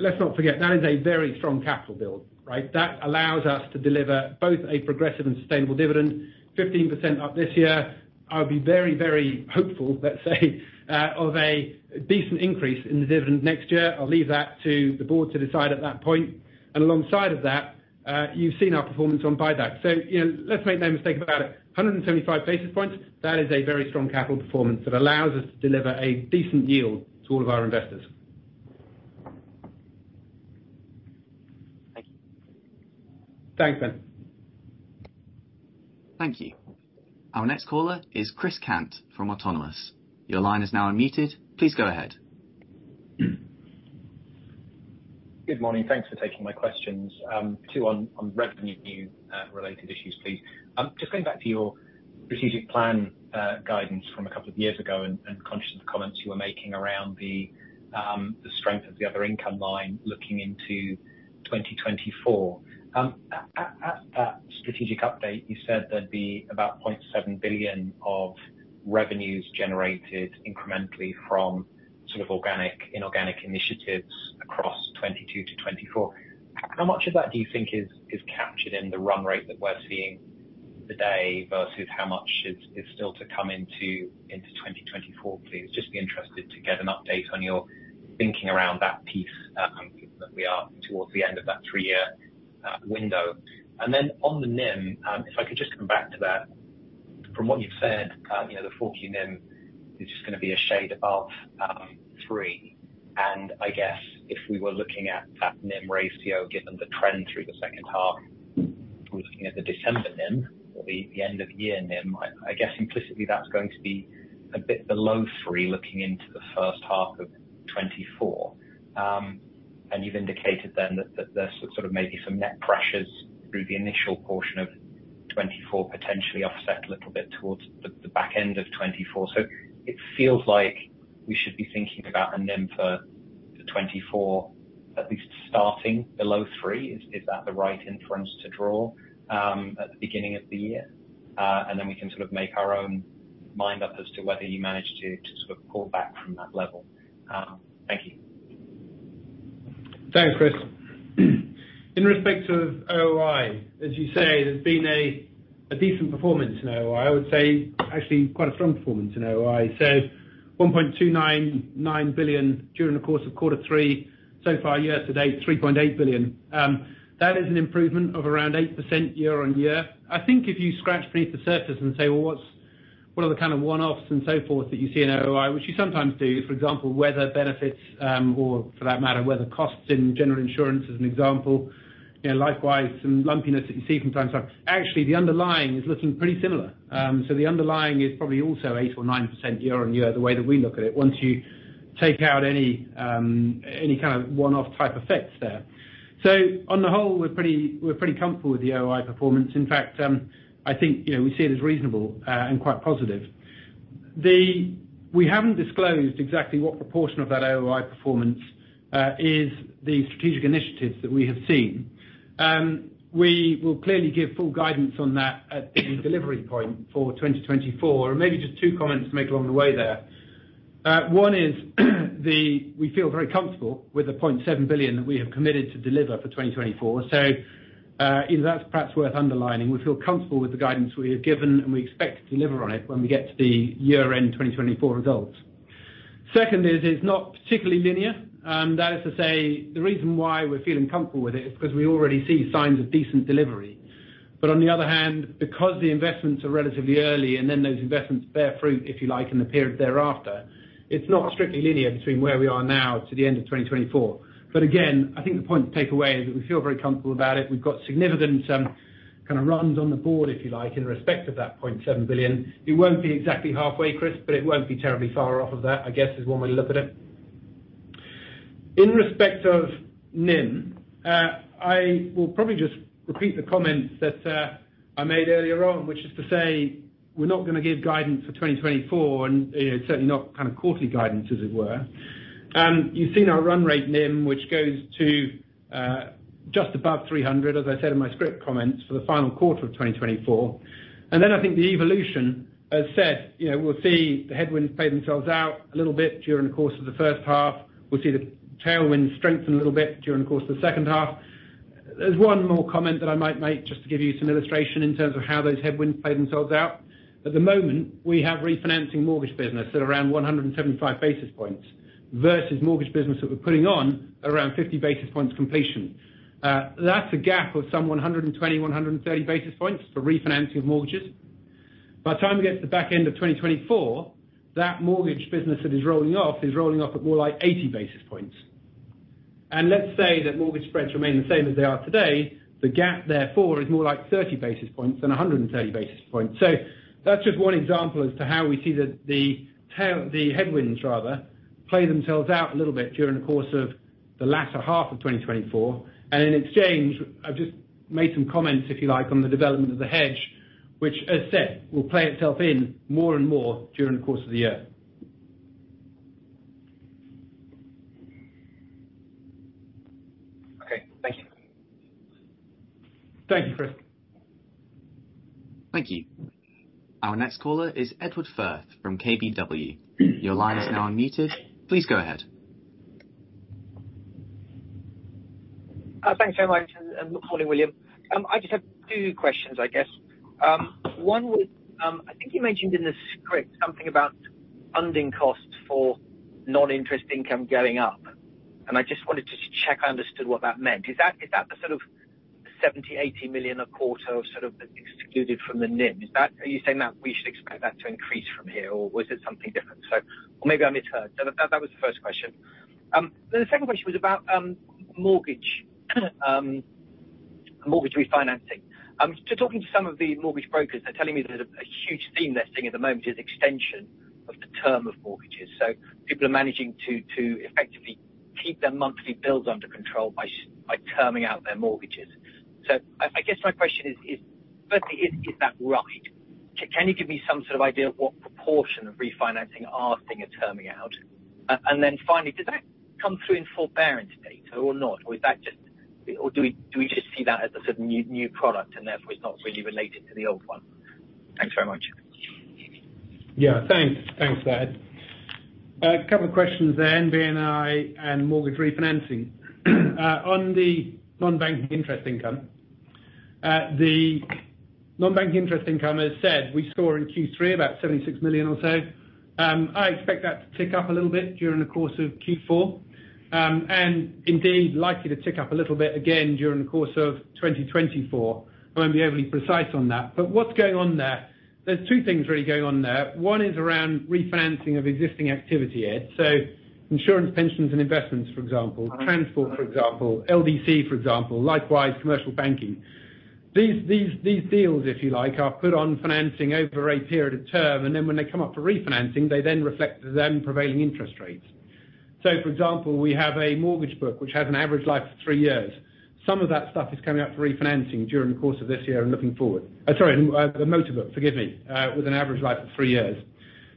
let's not forget, that is a very strong capital build, right? That allows us to deliver both a progressive and sustainable dividend, 15% up this year. I'll be very, very hopeful, let's say, of a decent increase in the dividend next year. I'll leave that to the board to decide at that point. And alongside of that, you've seen our performance on buyback. You know, let's make no mistake about it, 175 basis points, that is a very strong capital performance that allows us to deliver a decent yield to all of our investors. Thank you. Thanks, Ben. Thank you. Our next caller is Chris Cant from Autonomous. Your line is now unmuted. Please go ahead. Good morning. Thanks for taking my questions. Two on revenue related issues, please. Just going back to your strategic plan, guidance from a couple of years ago and conscious of the comments you were making around the strength of the other income line looking into 2024. At strategic update, you said there'd be about 0.7 billion of revenues generated incrementally from sort of organic, inorganic initiatives across 2022 to 2024. How much of that do you think is captured in the run rate that we're seeing today, versus how much is still to come into 2024, please? Just be interested to get an update on your thinking around that piece, given that we are towards the end of that 3-year window. Then on the NIM, if I could just come back to that. From what you've said, you know, the Q4 NIM is just gonna be a shade above 3%. And I guess if we were looking at that NIM ratio, given the trend through the second half, we're looking at the December NIM, or the end of year NIM, I guess implicitly, that's going to be a bit below 3%, looking into the first half of 2024. And you've indicated then that there's sort of maybe some net pressures through the initial portion of 2024, potentially offset a little bit towards the back end of 2024. So it feels like we should be thinking about a NIM for 2024, at least starting below 3%. Is that the right inference to draw at the beginning of the year? And then we can sort of make our own mind up as to whether you manage to, to sort of pull back from that level. Thank you. Thanks, Chris. In respect of OOI, as you say, there's been a decent performance in OOI. I would say actually quite a strong performance in OOI. So 1.299 billion during the course of Q3, so far year-to-date, 3.8 billion. That is an improvement of around 8% year-on-year. I think if you scratch beneath the surface and say, "Well, what's what are the kind of one-offs and so forth that you see in OOI?" Which you sometimes do, for example, weather benefits, or for that matter, weather costs in general insurance, as an example. You know, likewise, some lumpiness that you see from time to time. Actually, the underlying is looking pretty similar. So the underlying is probably also 8%-9% year-on-year, the way that we look at it, once you take out any, any kind of one-off type effects there. So on the whole, we're pretty, we're pretty comfortable with the OOI performance. In fact, I think, you know, we see it as reasonable, and quite positive. We haven't disclosed exactly what proportion of that OOI performance is the strategic initiatives that we have seen. We will clearly give full guidance on that at the delivery point for 2024. And maybe just two comments to make along the way there. One is, we feel very comfortable with the 0.7 billion that we have committed to deliver for 2024. So, you know, that's perhaps worth underlining. We feel comfortable with the guidance we have given, and we expect to deliver on it when we get to the year-end 2024 results. Second is, it's not particularly linear, and that is to say, the reason why we're feeling comfortable with it is because we already see signs of decent delivery. But on the other hand, because the investments are relatively early, and then those investments bear fruit, if you like, in the period thereafter, it's not strictly linear between where we are now to the end of 2024. But again, I think the point to take away is that we feel very comfortable about it. We've got significant, kind of runs on the board, if you like, in respect of that 0.7 billion. It won't be exactly halfway, Chris, but it won't be terribly far off of that, I guess, is one way to look at it. In respect of NIM, I will probably just repeat the comments that, I made earlier on, which is to say, we're not gonna give guidance for 2024 and, you know, certainly not kind of quarterly guidance, as it were. You've seen our run rate NIM, which goes to, just above 300, as I said in my script comments, for the final quarter of 2024. And then I think the evolution, as said, you know, we'll see the headwinds play themselves out a little bit during the course of the first half. We'll see the tailwinds strengthen a little bit during the course of the second half. There's one more comment that I might make, just to give you some illustration in terms of how those headwinds play themselves out. At the moment, we have refinancing mortgage business at around 175 basis points, versus mortgage business that we're putting on at around 50 basis points completion. That's a gap of some 120 basis points-130 basis points for refinancing of mortgages. By the time we get to the back end of 2024, that mortgage business that is rolling off, is rolling off at more like 80 basis points. And let's say that mortgage spreads remain the same as they are today, the gap therefore, is more like 30 basis points than 130 basis points. That's just one example as to how we see the headwinds rather play themselves out a little bit during the course of the latter half of 2024. In exchange, I've just made some comments, if you like, on the development of the hedge, which, as said, will play itself in more and more during the course of the year. Okay, thank you. Thank you, Chris. Thank you. Our next caller is Ed Firth from KBW. Your line is now unmuted. Please go ahead. Thanks very much, morning, William. I just have two questions, I guess. One was, I think you mentioned in the script something about funding costs for non-interest income going up, and I just wanted to check I understood what that meant. Is that, is that the sort of 70 million-80 million a quarter sort of excluded from the NIM? Is that? Are you saying that we should expect that to increase from here, or was it something different? So, or maybe I misheard. So that, that was the first question. Then the second question was about, mortgage refinancing. So talking to some of the mortgage brokers, they're telling me there's a, a huge theme they're seeing at the moment, is extension of the term of mortgages. So people are managing to effectively keep their monthly bills under control by terming out their mortgages. So I guess my question is, firstly, is that right? Can you give me some sort of idea of what proportion of refinancing we're seeing are terming out? And then finally, did that come through in forbearance data or not? Or is that just or do we just see that as a sort of new product and therefore it's not really related to the old one? Thanks very much. Yeah, thanks. Thanks, Ed. A couple of questions there, NII and mortgage refinancing. On the non-bank interest income, the non-bank interest income, as said, we saw in Q3 about 76 million or so. I expect that to tick up a little bit during the course of Q4. And indeed likely to tick up a little bit again during the course of 2024. I won't be overly precise on that. But what's going on there, there's two things really going on there. One is around refinancing of existing activity, Ed. So insurance, pensions, and investments, for example, transport, for example, LDC, for example, likewise, commercial banking. These, these, these deals, if you like, are put on financing over a period of term, and then when they come up for refinancing, they then reflect then prevailing interest rates. So, for example, we have a mortgage book which has an average life of three years. Some of that stuff is coming out for refinancing during the course of this year and looking forward. Sorry, the motor book, forgive me, with an average life of three years.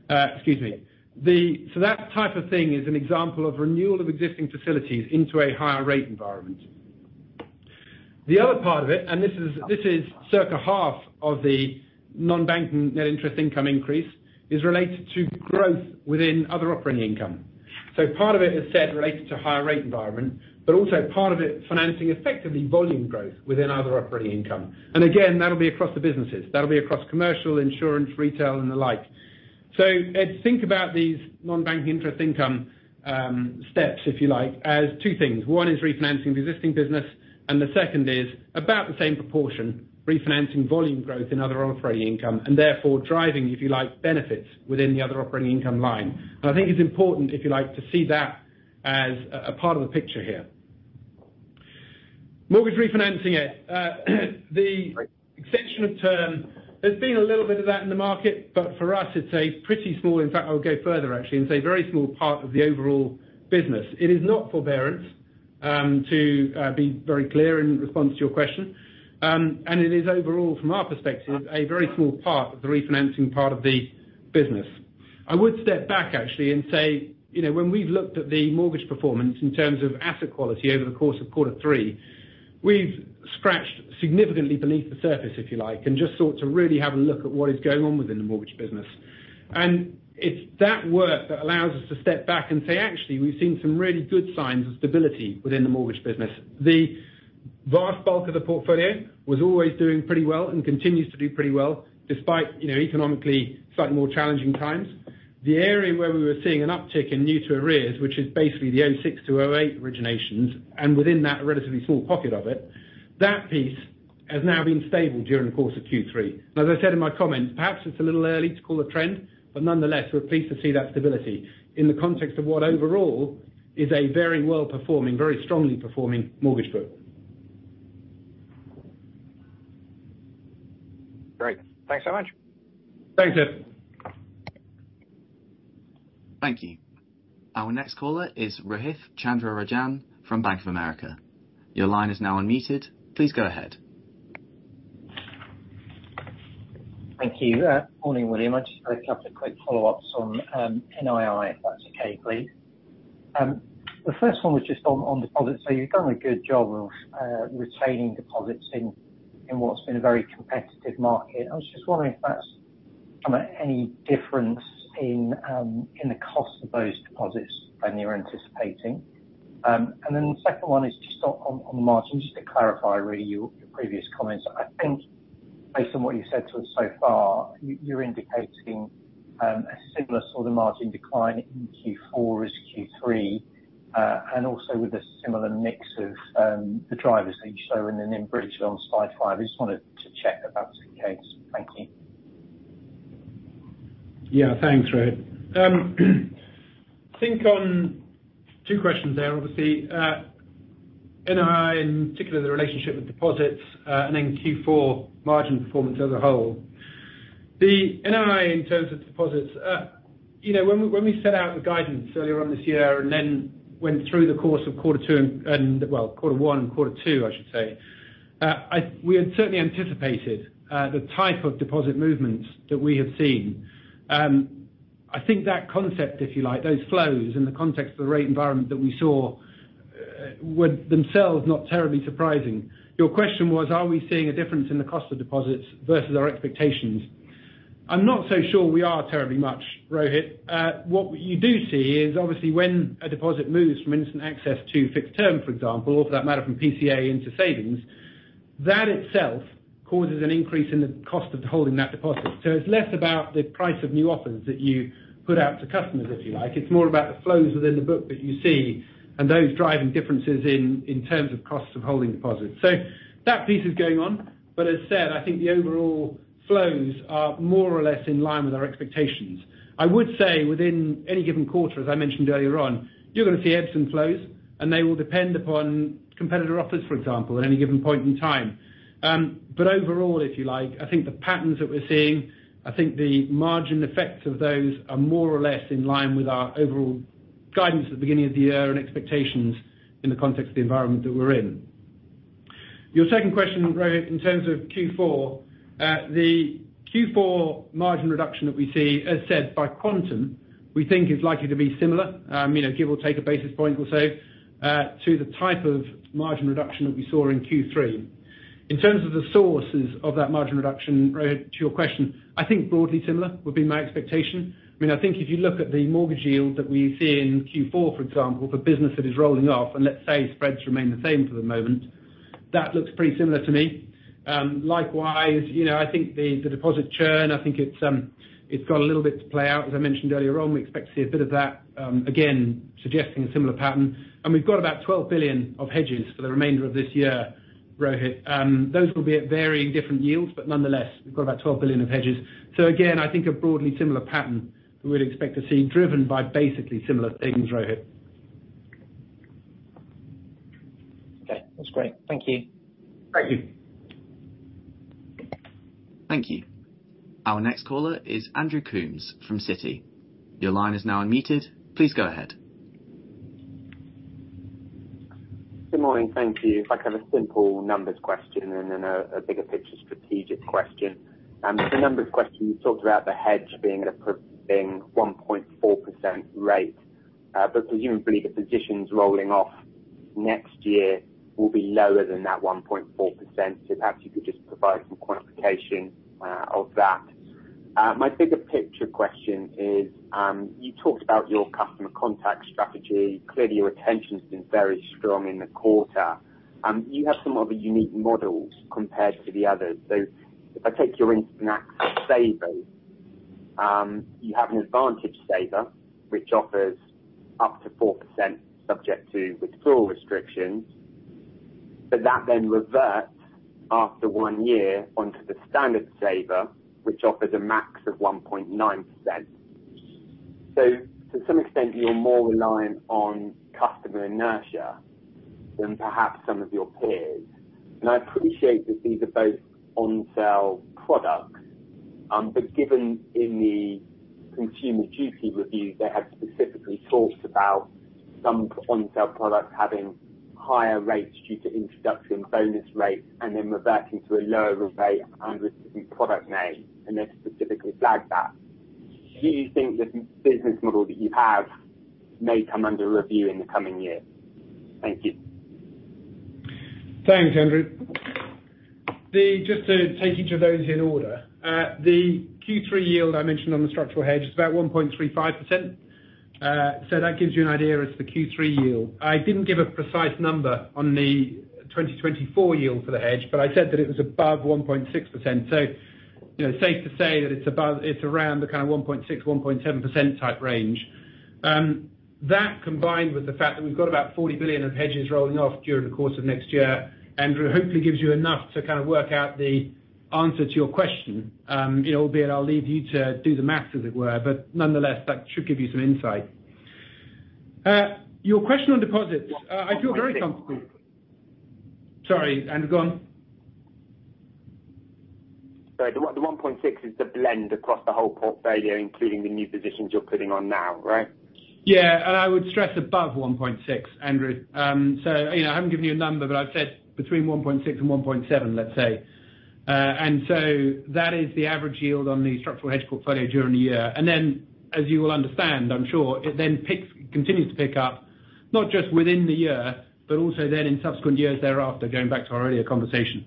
So that type of thing is an example of renewal of existing facilities into a higher rate environment. The other part of it, and this is, this is circa half of the non-bank net interest income increase, is related to growth within other operating income. So part of it is debt related to higher rate environment, but also part of it financing effectively volume growth within other operating income. And again, that'll be across the businesses. That'll be across commercial, insurance, retail, and the like. So Ed, think about these non-bank interest income steps, if you like, as two things. One is refinancing the existing business, and the second is about the same proportion, refinancing volume growth in other operating income, and therefore driving, if you like, benefits within the other operating income line. And I think it's important, if you like, to see that as a part of the picture here. Mortgage refinancing, Ed. The extension of term, there's been a little bit of that in the market, but for us, it's a pretty small. In fact, I'll go further, actually, and say a very small part of the overall business. It is not forbearance, to be very clear in response to your question. And it is overall, from our perspective, a very small part of the refinancing part of the business. I would step back, actually, and say, you know, when we've looked at the mortgage performance in terms of asset quality over the course of Q3, we've scratched significantly beneath the surface, if you like, and just sought to really have a look at what is going on within the mortgage business. And it's that work that allows us to step back and say, "Actually, we've seen some really good signs of stability within the mortgage business." The vast bulk of the portfolio was always doing pretty well and continues to do pretty well, despite, you know, economically, slightly more challenging times. The area where we were seeing an uptick in new to arrears, which is basically the 2006 to 2008 originations, and within that, a relatively small pocket of it, that piece has now been stable during the course of Q3. As I said in my comments, perhaps it's a little early to call a trend, but nonetheless, we're pleased to see that stability in the context of what overall is a very well-performing, very strongly performing mortgage book. Great. Thanks so much. Thanks, Ed. Thank you. Our next caller is Rohith Chandra-Rajan from Bank of America. Your line is now unmuted. Please go ahead. Thank you. Morning, William. I just have a couple of quick follow-ups on NII, if that's okay, please. The first one was just on deposits. So you've done a good job of retaining deposits in what's been a very competitive market. I was just wondering if that's any difference in the cost of those deposits when you're anticipating? And then the second one is just on the margin, just to clarify, really, your previous comments. I think based on what you've said to us so far, you're indicating a similar sort of margin decline in Q4 as Q3, and also with a similar mix of the drivers that you show in the bridge on slide 5. I just wanted to check if that's the case. Thank you. Yeah. Thanks, Rohith. I think on two questions there, obviously, NII, in particular, the relationship with deposits, and then Q4 margin performance as a whole. The NII, in terms of deposits, you know, when we set out the guidance earlier on this year and then went through the course of Q2 and, well, Q1 and Q2, I should say, we had certainly anticipated the type of deposit movements that we have seen. I think that concept, if you like, those flows in the context of the rate environment that we saw, were themselves not terribly surprising. Your question was, are we seeing a difference in the cost of deposits versus our expectations? I'm not so sure we are terribly much, Rohith. What you do see is, obviously, when a deposit moves from instant access to fixed term, for example, or for that matter, from PCA into savings, that itself causes an increase in the cost of holding that deposit. So it's less about the price of new offers that you put out to customers, if you like. It's more about the flows within the book that you see and those driving differences in terms of costs of holding deposits. So that piece is going on, but as I said, I think the overall flows are more or less in line with our expectations. I would say within any given quarter, as I mentioned earlier on, you're going to see ebbs and flows, and they will depend upon competitor offers, for example, at any given point in time. But overall, if you like, I think the patterns that we're seeing, I think the margin effects of those are more or less in line with our overall guidance at the beginning of the year and expectations in the context of the environment that we're in. Your second question, Rohith, in terms of Q4, the Q4 margin reduction that we see, as said by Quantum, we think is likely to be similar. You know, give or take a basis point or so, to the type of margin reduction that we saw in Q3. In terms of the sources of that margin reduction, Rohith, to your question, I think broadly similar would be my expectation. I mean, I think if you look at the mortgage yield that we see in Q4, for example, the business that is rolling off, and let's say spreads remain the same for the moment, that looks pretty similar to me. Likewise, you know, I think the, the deposit churn, I think it's, it's got a little bit to play out, as I mentioned earlier on. We expect to see a bit of that, again, suggesting a similar pattern. And we've got about 12 billion of hedges for the remainder of this year, Rohith. Those will be at varying different yields, but nonetheless, we've got about 12 billion of hedges. So again, I think a broadly similar pattern we'd expect to see, driven by basically similar things, Rohith. Okay, that's great. Thank you. Thank you. Thank you. Our next caller is Andrew Coombs from Citi. Your line is now unmuted. Please go ahead. Good morning. Thank you. I have a simple numbers question and then a bigger picture strategic question. The numbers question: You talked about the hedge being at a being 1.4% rate, but presumably the positions rolling off next year will be lower than that 1.4%. So perhaps you could just provide some quantification of that. My bigger picture question is, you talked about your customer contact strategy. Clearly, your retention's been very strong in the quarter. You have some of the unique models compared to the others. So if I take your Instant Access Saver, you have an Advantage Saver, which offers up to 4% subject to withdrawal restrictions, but that then reverts after one year onto the Standard Saver, which offers a max of 1.9%. To some extent, you're more reliant on customer inertia than perhaps some of your peers. I appreciate that these are both on-sale products, but given in the Consumer Duty review, they have specifically talked about some on-sale products having higher rates due to introductory and bonus rates, and then reverting to a lower rate under a different product name, and they've specifically flagged that. Do you think the business model that you have may come under review in the coming year? Thank you. Thanks, Andrew. Just to take each of those in order, the Q3 yield I mentioned on the structural hedge is about 1.35%. So that gives you an idea as to the Q3 yield. I didn't give a precise number on the 2024 yield for the hedge, but I said that it was above 1.6%. So you know, safe to say that it's above, it's around the kind of 1.6%-1.7% type range. That, combined with the fact that we've got about 40 billion of hedges rolling off during the course of next year, Andrew, hopefully gives you enough to kind of work out the answer to your question. You know, albeit I'll leave you to do the math, as it were, but nonetheless, that should give you some insight. Your question on deposits, I feel very comfortable- sorry, Andrew, go on. Sorry. The 1.6 is the blend across the whole portfolio, including the new positions you're putting on now, right? Yeah, and I would stress above 1.6, Andrew. So you know, I haven't given you a number, but I've said between 1.6 and 1.7, let's say. And so that is the average yield on the structural hedge portfolio during the year. And then, as you will understand, I'm sure, it then continues to pick up, not just within the year, but also then in subsequent years thereafter, going back to our earlier conversation.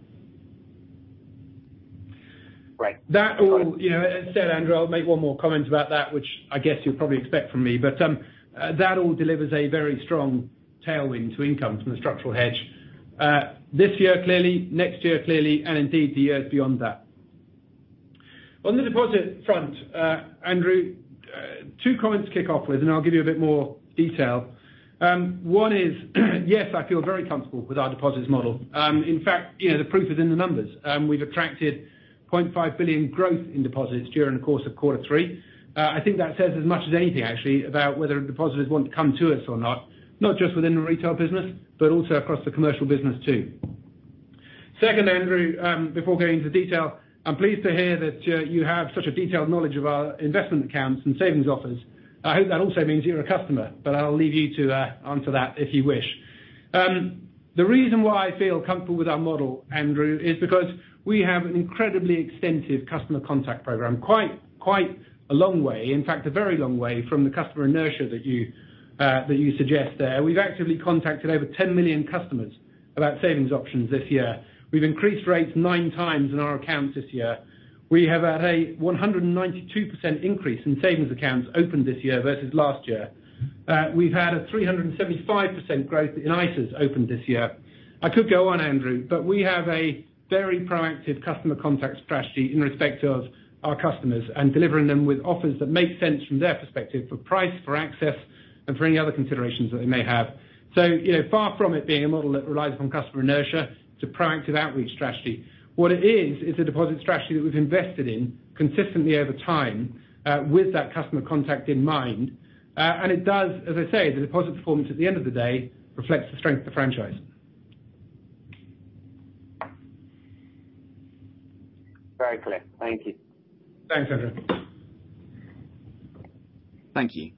Right. That all, you know, as I said, Andrew, I'll make one more comment about that, which I guess you'll probably expect from me. But, that all delivers a very strong tailwind to income from the structural hedge. This year, clearly, next year, clearly, and indeed, the years beyond that. On the deposit front, Andrew, two comments to kick off with, and I'll give you a bit more detail. One is, yes, I feel very comfortable with our deposits model. In fact, you know, the proof is in the numbers. We've attracted 0.5 billion growth in deposits during the course of Q3. I think that says as much as anything actually, about whether depositors want to come to us or not, not just within the retail business, but also across the commercial business too. Second, Andrew, before going into detail, I'm pleased to hear that you have such a detailed knowledge of our investment accounts and savings offers. I hope that also means you're a customer, but I'll leave you to answer that if you wish. The reason why I feel comfortable with our model, Andrew, is because we have an incredibly extensive customer contact program, quite a long way, in fact, a very long way from the customer inertia that you suggest there. We've actively contacted over 10 million customers about savings options this year. We've increased rates 9x in our accounts this year. We have had a 192% increase in savings accounts opened this year versus last year. We've had a 375% growth in ISAs opened this year. I could go on, Andrew, but we have a very proactive customer contact strategy in respect of our customers and delivering them with offers that make sense from their perspective for price, for access, and for any other considerations that they may have. So, you know, far from it being a model that relies upon customer inertia, it's a proactive outreach strategy. What it is, is a deposit strategy that we've invested in consistently over time, with that customer contact in mind. And it does, as I say, the deposit performance at the end of the day reflects the strength of the franchise. Very clear. Thank you. Thanks, Andrew. Thank you.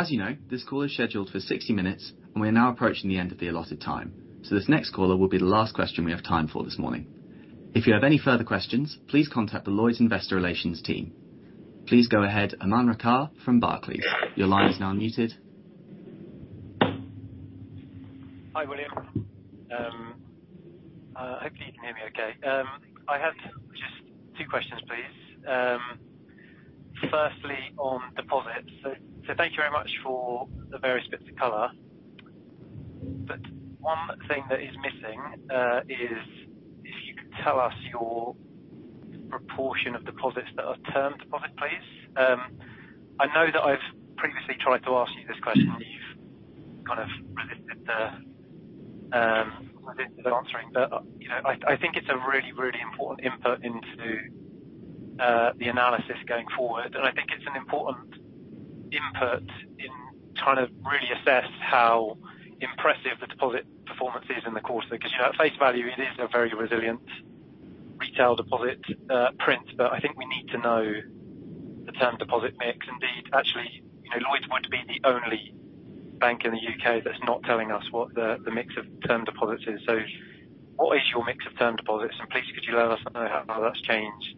As you know, this call is scheduled for 60 minutes, and we are now approaching the end of the allotted time. This next caller will be the last question we have time for this morning. If you have any further questions, please contact the Lloyds Investor Relations team. Please go ahead, Aman Rakkar from Barclays. Your line is now unmuted. Hi, William. Hopefully you can hear me okay. I have just two questions, please. Firstly, on deposits. So thank you very much for the various bits of color. But one thing that is missing is if you could tell us your proportion of deposits that are term deposits, please. I know that I've previously tried to ask you this question, and you've kind of resisted answering. But you know, I think it's a really, really important input into the analysis going forward. And I think it's an important input in trying to really assess how impressive the deposit performance is in the quarter. 'Cause you know, at face value, it is a very resilient retail deposit print, but I think we need to know the term deposit mix. Indeed, actually, you know, Lloyds would be the only bank in the U.K. that's not telling us what the, the mix of term deposits is. So what is your mix of term deposits? And please, could you let us know how that's changed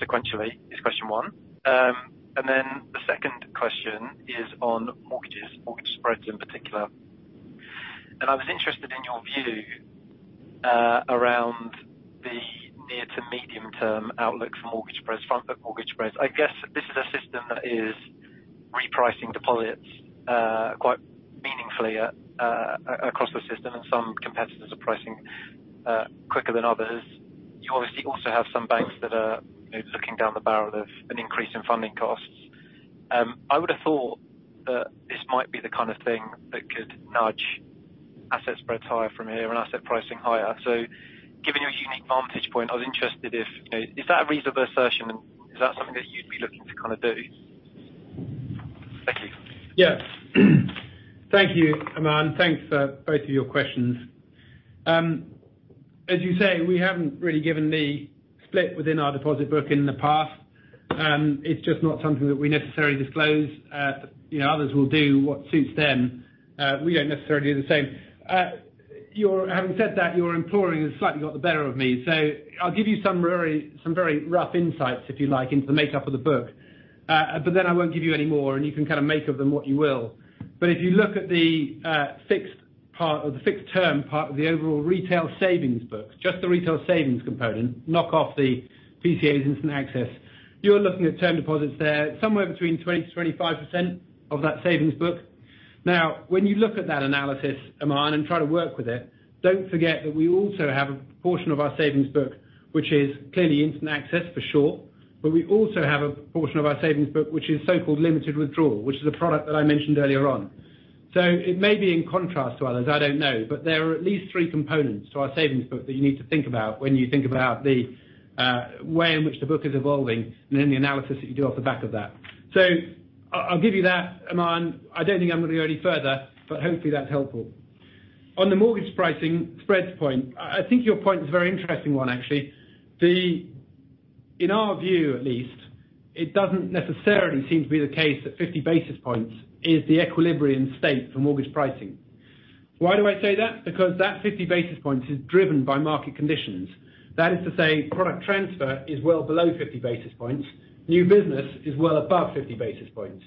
sequentially, is question one. And then the second question is on mortgages, mortgage spreads in particular. And I was interested in your view around the near to medium term outlook for mortgage spreads, front book mortgage spreads. I guess this is a system that is repricing deposits quite meaningfully across the system, and some competitors are pricing quicker than others. You obviously also have some banks that are, you know, looking down the barrel of an increase in funding costs. I would have thought that this might be the kind of thing that could nudge asset spreads higher from here and asset pricing higher. So given your unique vantage point, I was interested if, you know, is that a reasonable assertion, and is that something that you'd be looking to kind of do? Thank you. Yeah. Thank you, Aman. Thanks for both of your questions. As you say, we haven't really given the split within our deposit book in the past. It's just not something that we necessarily disclose. You know, others will do what suits them. We don't necessarily do the same. Your- having said that, your imploring has slightly got the better of me, so I'll give you some very, some very rough insights, if you like, into the makeup of the book. But then I won't give you any more, and you can kind of make of them what you will. But if you look at the fixed part or the fixed term part of the overall retail savings book, just the retail savings component, knock off the PCAs and instant access, you're looking at term deposits there, somewhere between 20%-25% of that savings book. Now, when you look at that analysis, Aman, and try to work with it, don't forget that we also have a proportion of our savings book, which is clearly instant access for sure, but we also have a proportion of our savings book, which is so-called limited withdrawal, which is a product that I mentioned earlier on. So it may be in contrast to others, I don't know, but there are at least three components to our savings book that you need to think about when you think about the way in which the book is evolving and then the analysis that you do off the back of that. So I, I'll give you that, Aman. I don't think I'm going to go any further, but hopefully that's helpful. On the mortgage pricing spreads point, I, I think your point is a very interesting one, actually. In our view, at least, it doesn't necessarily seem to be the case that 50 basis points is the equilibrium state for mortgage pricing. Why do I say that? Because that 50 basis points is driven by market conditions. That is to say, product transfer is well below 50 basis points. New business is well above 50 basis points.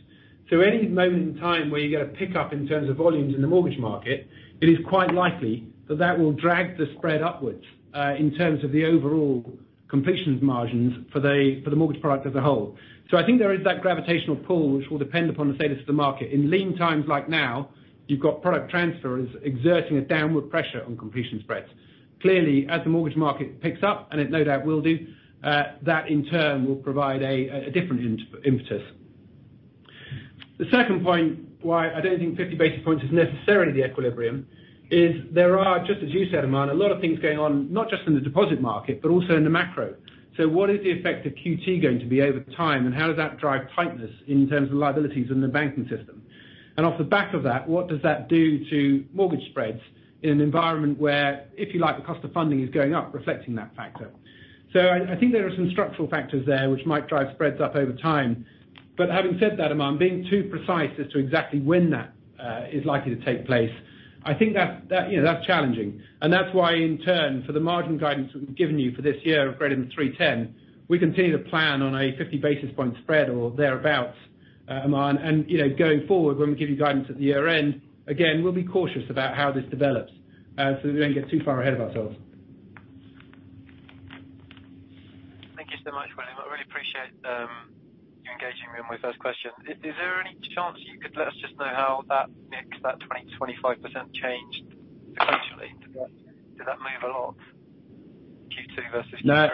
So any moment in time where you get a pickup in terms of volumes in the mortgage market, it is quite likely that that will drag the spread upwards, in terms of the overall completions margins for the, for the mortgage product as a whole. So I think there is that gravitational pull, which will depend upon the status of the market. In lean times like now, you've got product transfers exerting a downward pressure on completion spreads. Clearly, as the mortgage market picks up, and it no doubt will do, that in turn will provide a different impetus. The second point why I don't think 50 basis points is necessarily the equilibrium is there are, just as you said, Aman, a lot of things going on, not just in the deposit market, but also in the macro. So what is the effect of QT going to be over time, and how does that drive tightness in terms of liabilities in the banking system? And off the back of that, what does that do to mortgage spreads in an environment where, if you like, the cost of funding is going up, reflecting that factor? So I think there are some structural factors there which might drive spreads up over time. But having said that, Aman, being too precise as to exactly when that is likely to take place, I think that you know, that's challenging. And that's why, in turn, for the margin guidance we've given you for this year of greater than 310, we continue to plan on a 50 basis point spread or thereabout, Aman. You know, going forward, when we give you guidance at the year-end, again, we'll be cautious about how this develops, so that we don't get too far ahead of ourselves. Thank you so much, William. I really appreciate you engaging me on my first question. Is there any chance you could let us just know how that mix, that 20%-25% changed sequentially? Did that move a lot, Q2 versus Q3? No.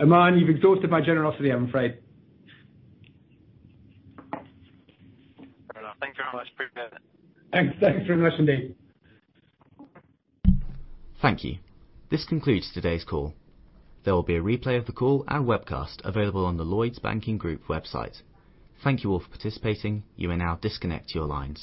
Aman, you've exhausted my generosity, I'm afraid. Fair enough. Thank you very much. Appreciate it. Thanks. Thank you very much indeed. Thank you. This concludes today's call. There will be a replay of the call and webcast available on the Lloyds Banking Group website. Thank you all for participating. You may now disconnect your lines.